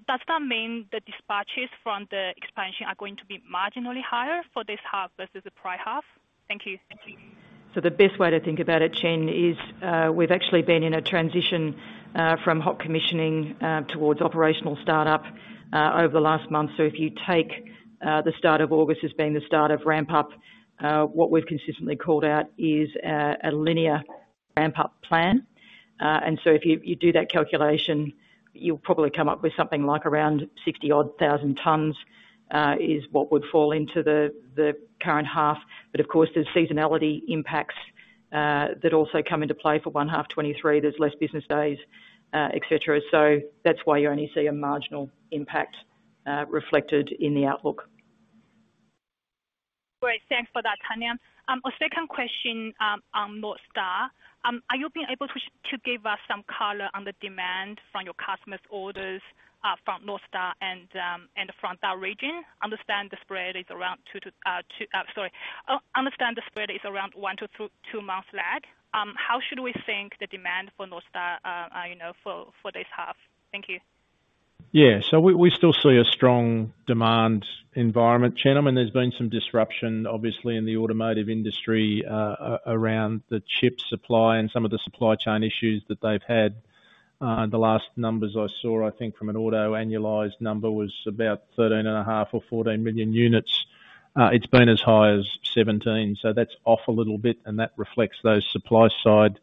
Does that mean the dispatches from the expansion are going to be marginally higher for this half versus the prior half? Thank you. The best way to think about it, Chen, is we've actually been in a transition from hot commissioning towards operational startup over the last month. If you take the start of August as being the start of ramp up, what we've consistently called out is a linear ramp up plan. If you do that calculation, you'll probably come up with something like around 60,000 tons is what would fall into the current half. Of course, there's seasonality impacts that also come into play for 1H 2023. There's less business days, et cetera. That's why you only see a marginal impact reflected in the outlook. Great. Thanks for that, Tania. A second question on North Star. Are you able to give us some color on the demand from your customers' orders from North Star and from that region? Understand the spread is around one to two months lag. How should we think the demand for North Star, you know, for this half? Thank you. Yeah. We still see a strong demand environment, Chen. I mean, there's been some disruption, obviously, in the automotive industry, around the chip supply and some of the supply chain issues that they've had. The last numbers I saw, I think, from an auto annualized number was about 13.5 or 14 million units. It's been as high as 17, so that's off a little bit, and that reflects those supply side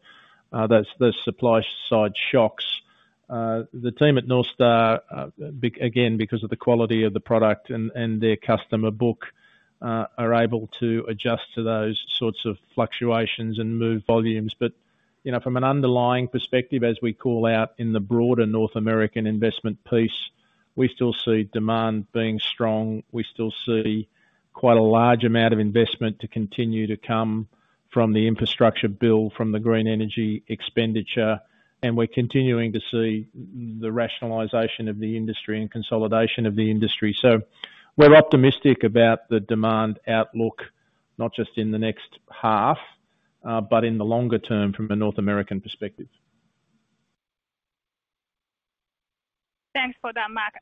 shocks. The team at North Star, again, because of the quality of the product and their customer book, are able to adjust to those sorts of fluctuations and move volumes. You know, from an underlying perspective, as we call out in the broader North American investment piece, we still see demand being strong. We still see quite a large amount of investment to continue to come from the infrastructure bill, from the green energy expenditure, and we're continuing to see the rationalization of the industry and consolidation of the industry. We're optimistic about the demand outlook, not just in the next half, but in the longer term from a North American perspective. Thanks for that, Mark.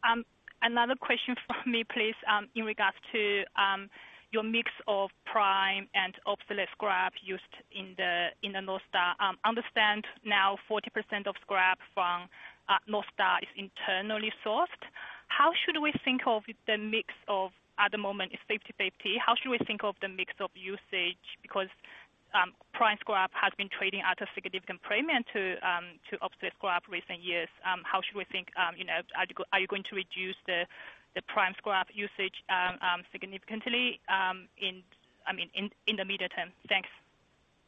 Another question from me, please, in regards to your mix of prime and obsolete scrap used in the North Star. Understand now 40% of scrap from North Star is internally sourced. How should we think of the mix of. At the moment it's 50/50. How should we think of the mix of usage? Because prime scrap has been trading at a significant premium to obsolete scrap recent years. How should we think, you know, are you going to reduce the prime scrap usage significantly, I mean, in the midterm? Thanks.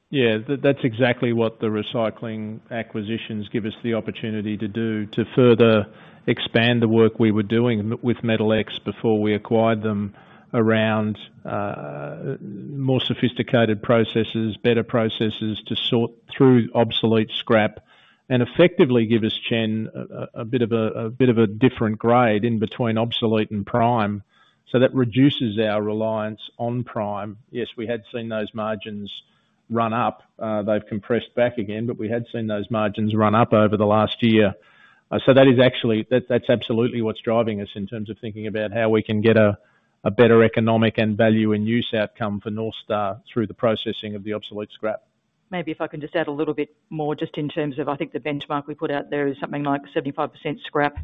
Yeah. That's exactly what the recycling acquisitions give us the opportunity to do to further expand the work we were doing with MetalX before we acquired them around more sophisticated processes, better processes to sort through obsolete scrap and effectively give us, Chen, a bit of a different grade in between obsolete and prime. That reduces our reliance on prime. Yes, we had seen those margins run up. They've compressed back again, but we had seen those margins run up over the last year. So that is actually. That's absolutely what's driving us in terms of thinking about how we can get a better economic and value and use outcome for North Star through the processing of the obsolete scrap. Maybe if I can just add a little bit more just in terms of, I think the benchmark we put out there is something like 75% scrap.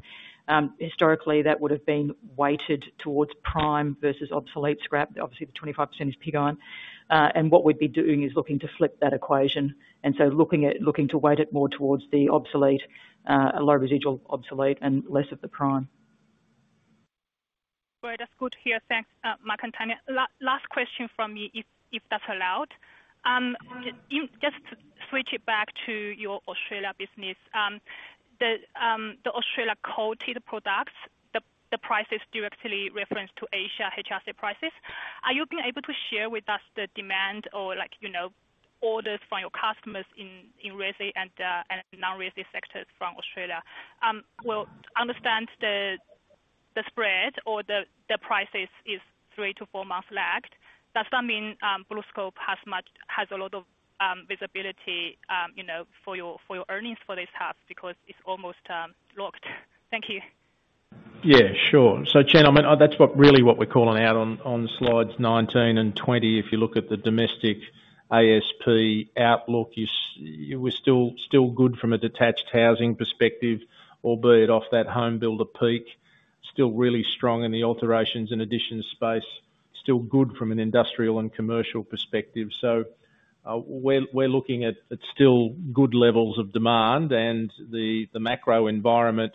Historically, that would have been weighted towards prime versus obsolete scrap. Obviously, the 25% is pig iron. What we'd be doing is looking to flip that equation, looking to weight it more towards the obsolete, a low residual obsolete and less of the prime. Great. That's good to hear. Thanks, Mark and Tania. Last question from me, if that's allowed. Just switch it back to your Australia business. The Australia coated products, the prices directly referenced to Asia HRC prices. Are you being able to share with us the demand or like, you know, orders from your customers in resi and non-resi sectors from Australia? Understand the spread or the prices is three to four months lagged. Does that mean BlueScope has a lot of visibility, you know, for your earnings for this half because it's almost locked? Thank you. Yeah, sure. Chen, I mean, that's really what we're calling out on slides 19 and 20. If you look at the domestic ASP outlook, we're still good from a detached housing perspective, albeit off that home builder peak, still really strong in the alterations and additions space, still good from an industrial and commercial perspective. We're looking at still good levels of demand and the macro environment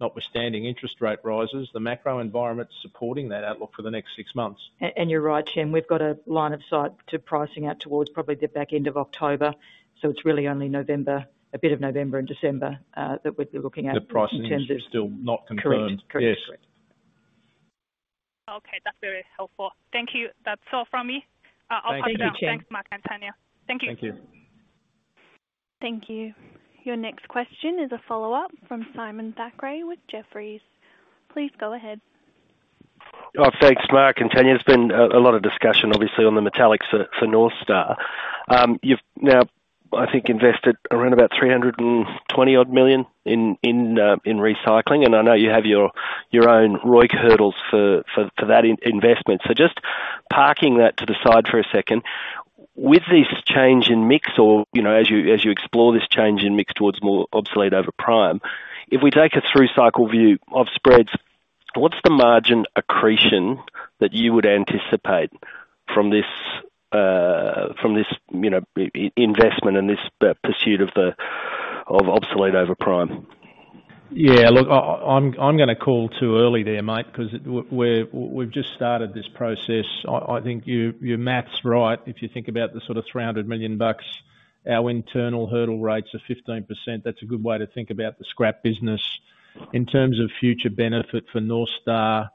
notwithstanding interest rate rises, the macro environment supporting that outlook for the next six months. You're right, Chen. We've got a line of sight to pricing out towards probably the back end of October. It's really only November, a bit of November and December, that we'd be looking at in terms of. The pricing is still not confirmed. Correct. Yes. Okay. That's very helpful. Thank you. That's all from me. Thank you, Chen. I'll pass it on. Thanks, Mark and Tania. Thank you. Thank you. Thank you. Your next question is a follow-up from Simon Thackray with Jefferies. Please go ahead. Thanks Mark and Tania. There's been a lot of discussion obviously on the metallics for North Star. You've now, I think, invested around 320 million in recycling, and I know you have your own ROIC hurdles for that investment. Just parking that to the side for a second, with this change in mix, as you explore this change in mix towards more obsolete over prime, if we take a through cycle view of spreads, what's the margin accretion that you would anticipate from this investment and the pursuit of obsolete over prime? Look, I'm gonna call too early there, mate, 'cause we've just started this process. I think your math's right. If you think about the sort of $300 million, our internal hurdle rates are 15%. That's a good way to think about the scrap business. In terms of future benefit for North Star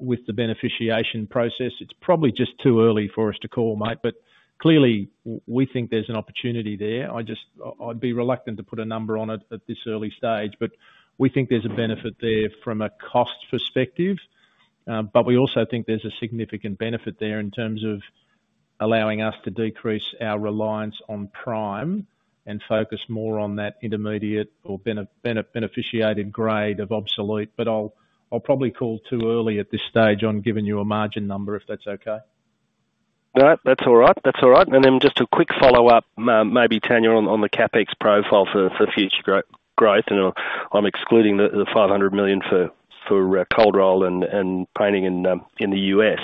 with the beneficiation process, it's probably just too early for us to call, mate. Clearly we think there's an opportunity there. I'd be reluctant to put a number on it at this early stage, but we think there's a benefit there from a cost perspective, but we also think there's a significant benefit there in terms of allowing us to decrease our reliance on prime and focus more on that intermediate or beneficiated grade of obsolete. I'll probably call too early at this stage on giving you a margin number, if that's okay. No, that's all right. That's all right. Just a quick follow-up, maybe Tania, on the Capex profile for future growth, and I'm excluding the 500 million for cold roll and painting in the U.S.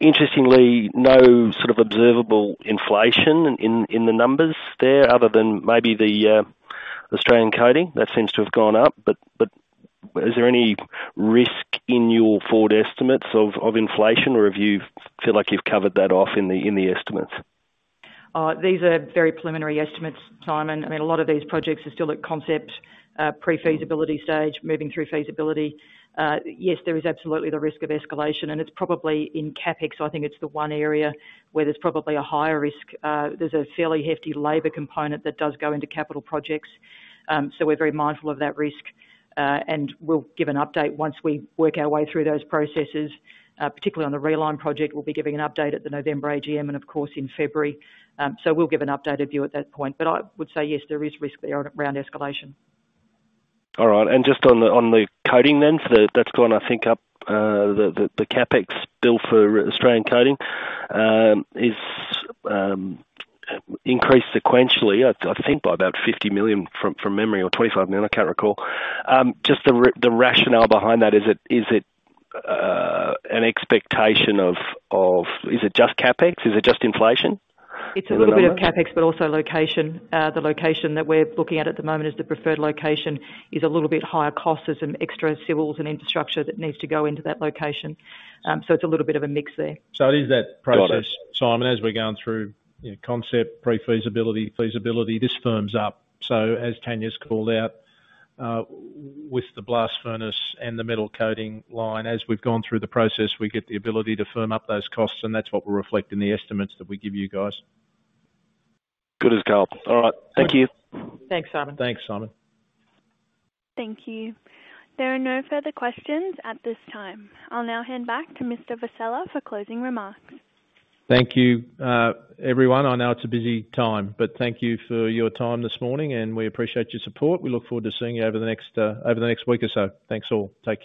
Interestingly, no sort of observable inflation in the numbers there other than maybe the Australian coating that seems to have gone up. Is there any risk in your forward estimates of inflation or do you feel like you've covered that off in the estimates? These are very preliminary estimates, Simon. I mean, a lot of these projects are still at concept, pre-feasibility stage, moving through feasibility. Yes, there is absolutely the risk of escalation and it's probably in Capex. I think it's the one area where there's probably a higher risk. There's a fairly hefty labor component that does go into capital projects. We're very mindful of that risk, and we'll give an update once we work our way through those processes, particularly on the Reline project. We'll be giving an update at the November AGM and of course in February. We'll give an updated view at that point. I would say yes, there is risk there around escalation. Just on the coating then. That's gone up, I think, the Capex bill for Australian coating is increased sequentially, I think, by about 50 million from memory or 25 million, I can't recall. Just the rationale behind that, is it an expectation of? Is it just Capex? Is it just inflation? It's a little bit of Capex, but also location. The location that we're looking at the moment is the preferred location, a little bit higher cost. There's some extra civils and infrastructure that needs to go into that location. It's a little bit of a mix there. So it is that process- Got it. Simon, as we're going through, you know, concept, pre-feasibility, feasibility, this firms up. As Tania's called out, with the blast furnace and the metal coating line, as we've gone through the process, we get the ability to firm up those costs and that's what we reflect in the estimates that we give you guys. Good as gold. All right. Thank you. Thanks, Simon. Thanks, Simon. Thank you. There are no further questions at this time. I'll now hand back to Mr. Vassella for closing remarks. Thank you, everyone. I know it's a busy time, but thank you for your time this morning, and we appreciate your support. We look forward to seeing you over the next week or so. Thanks all. Take care.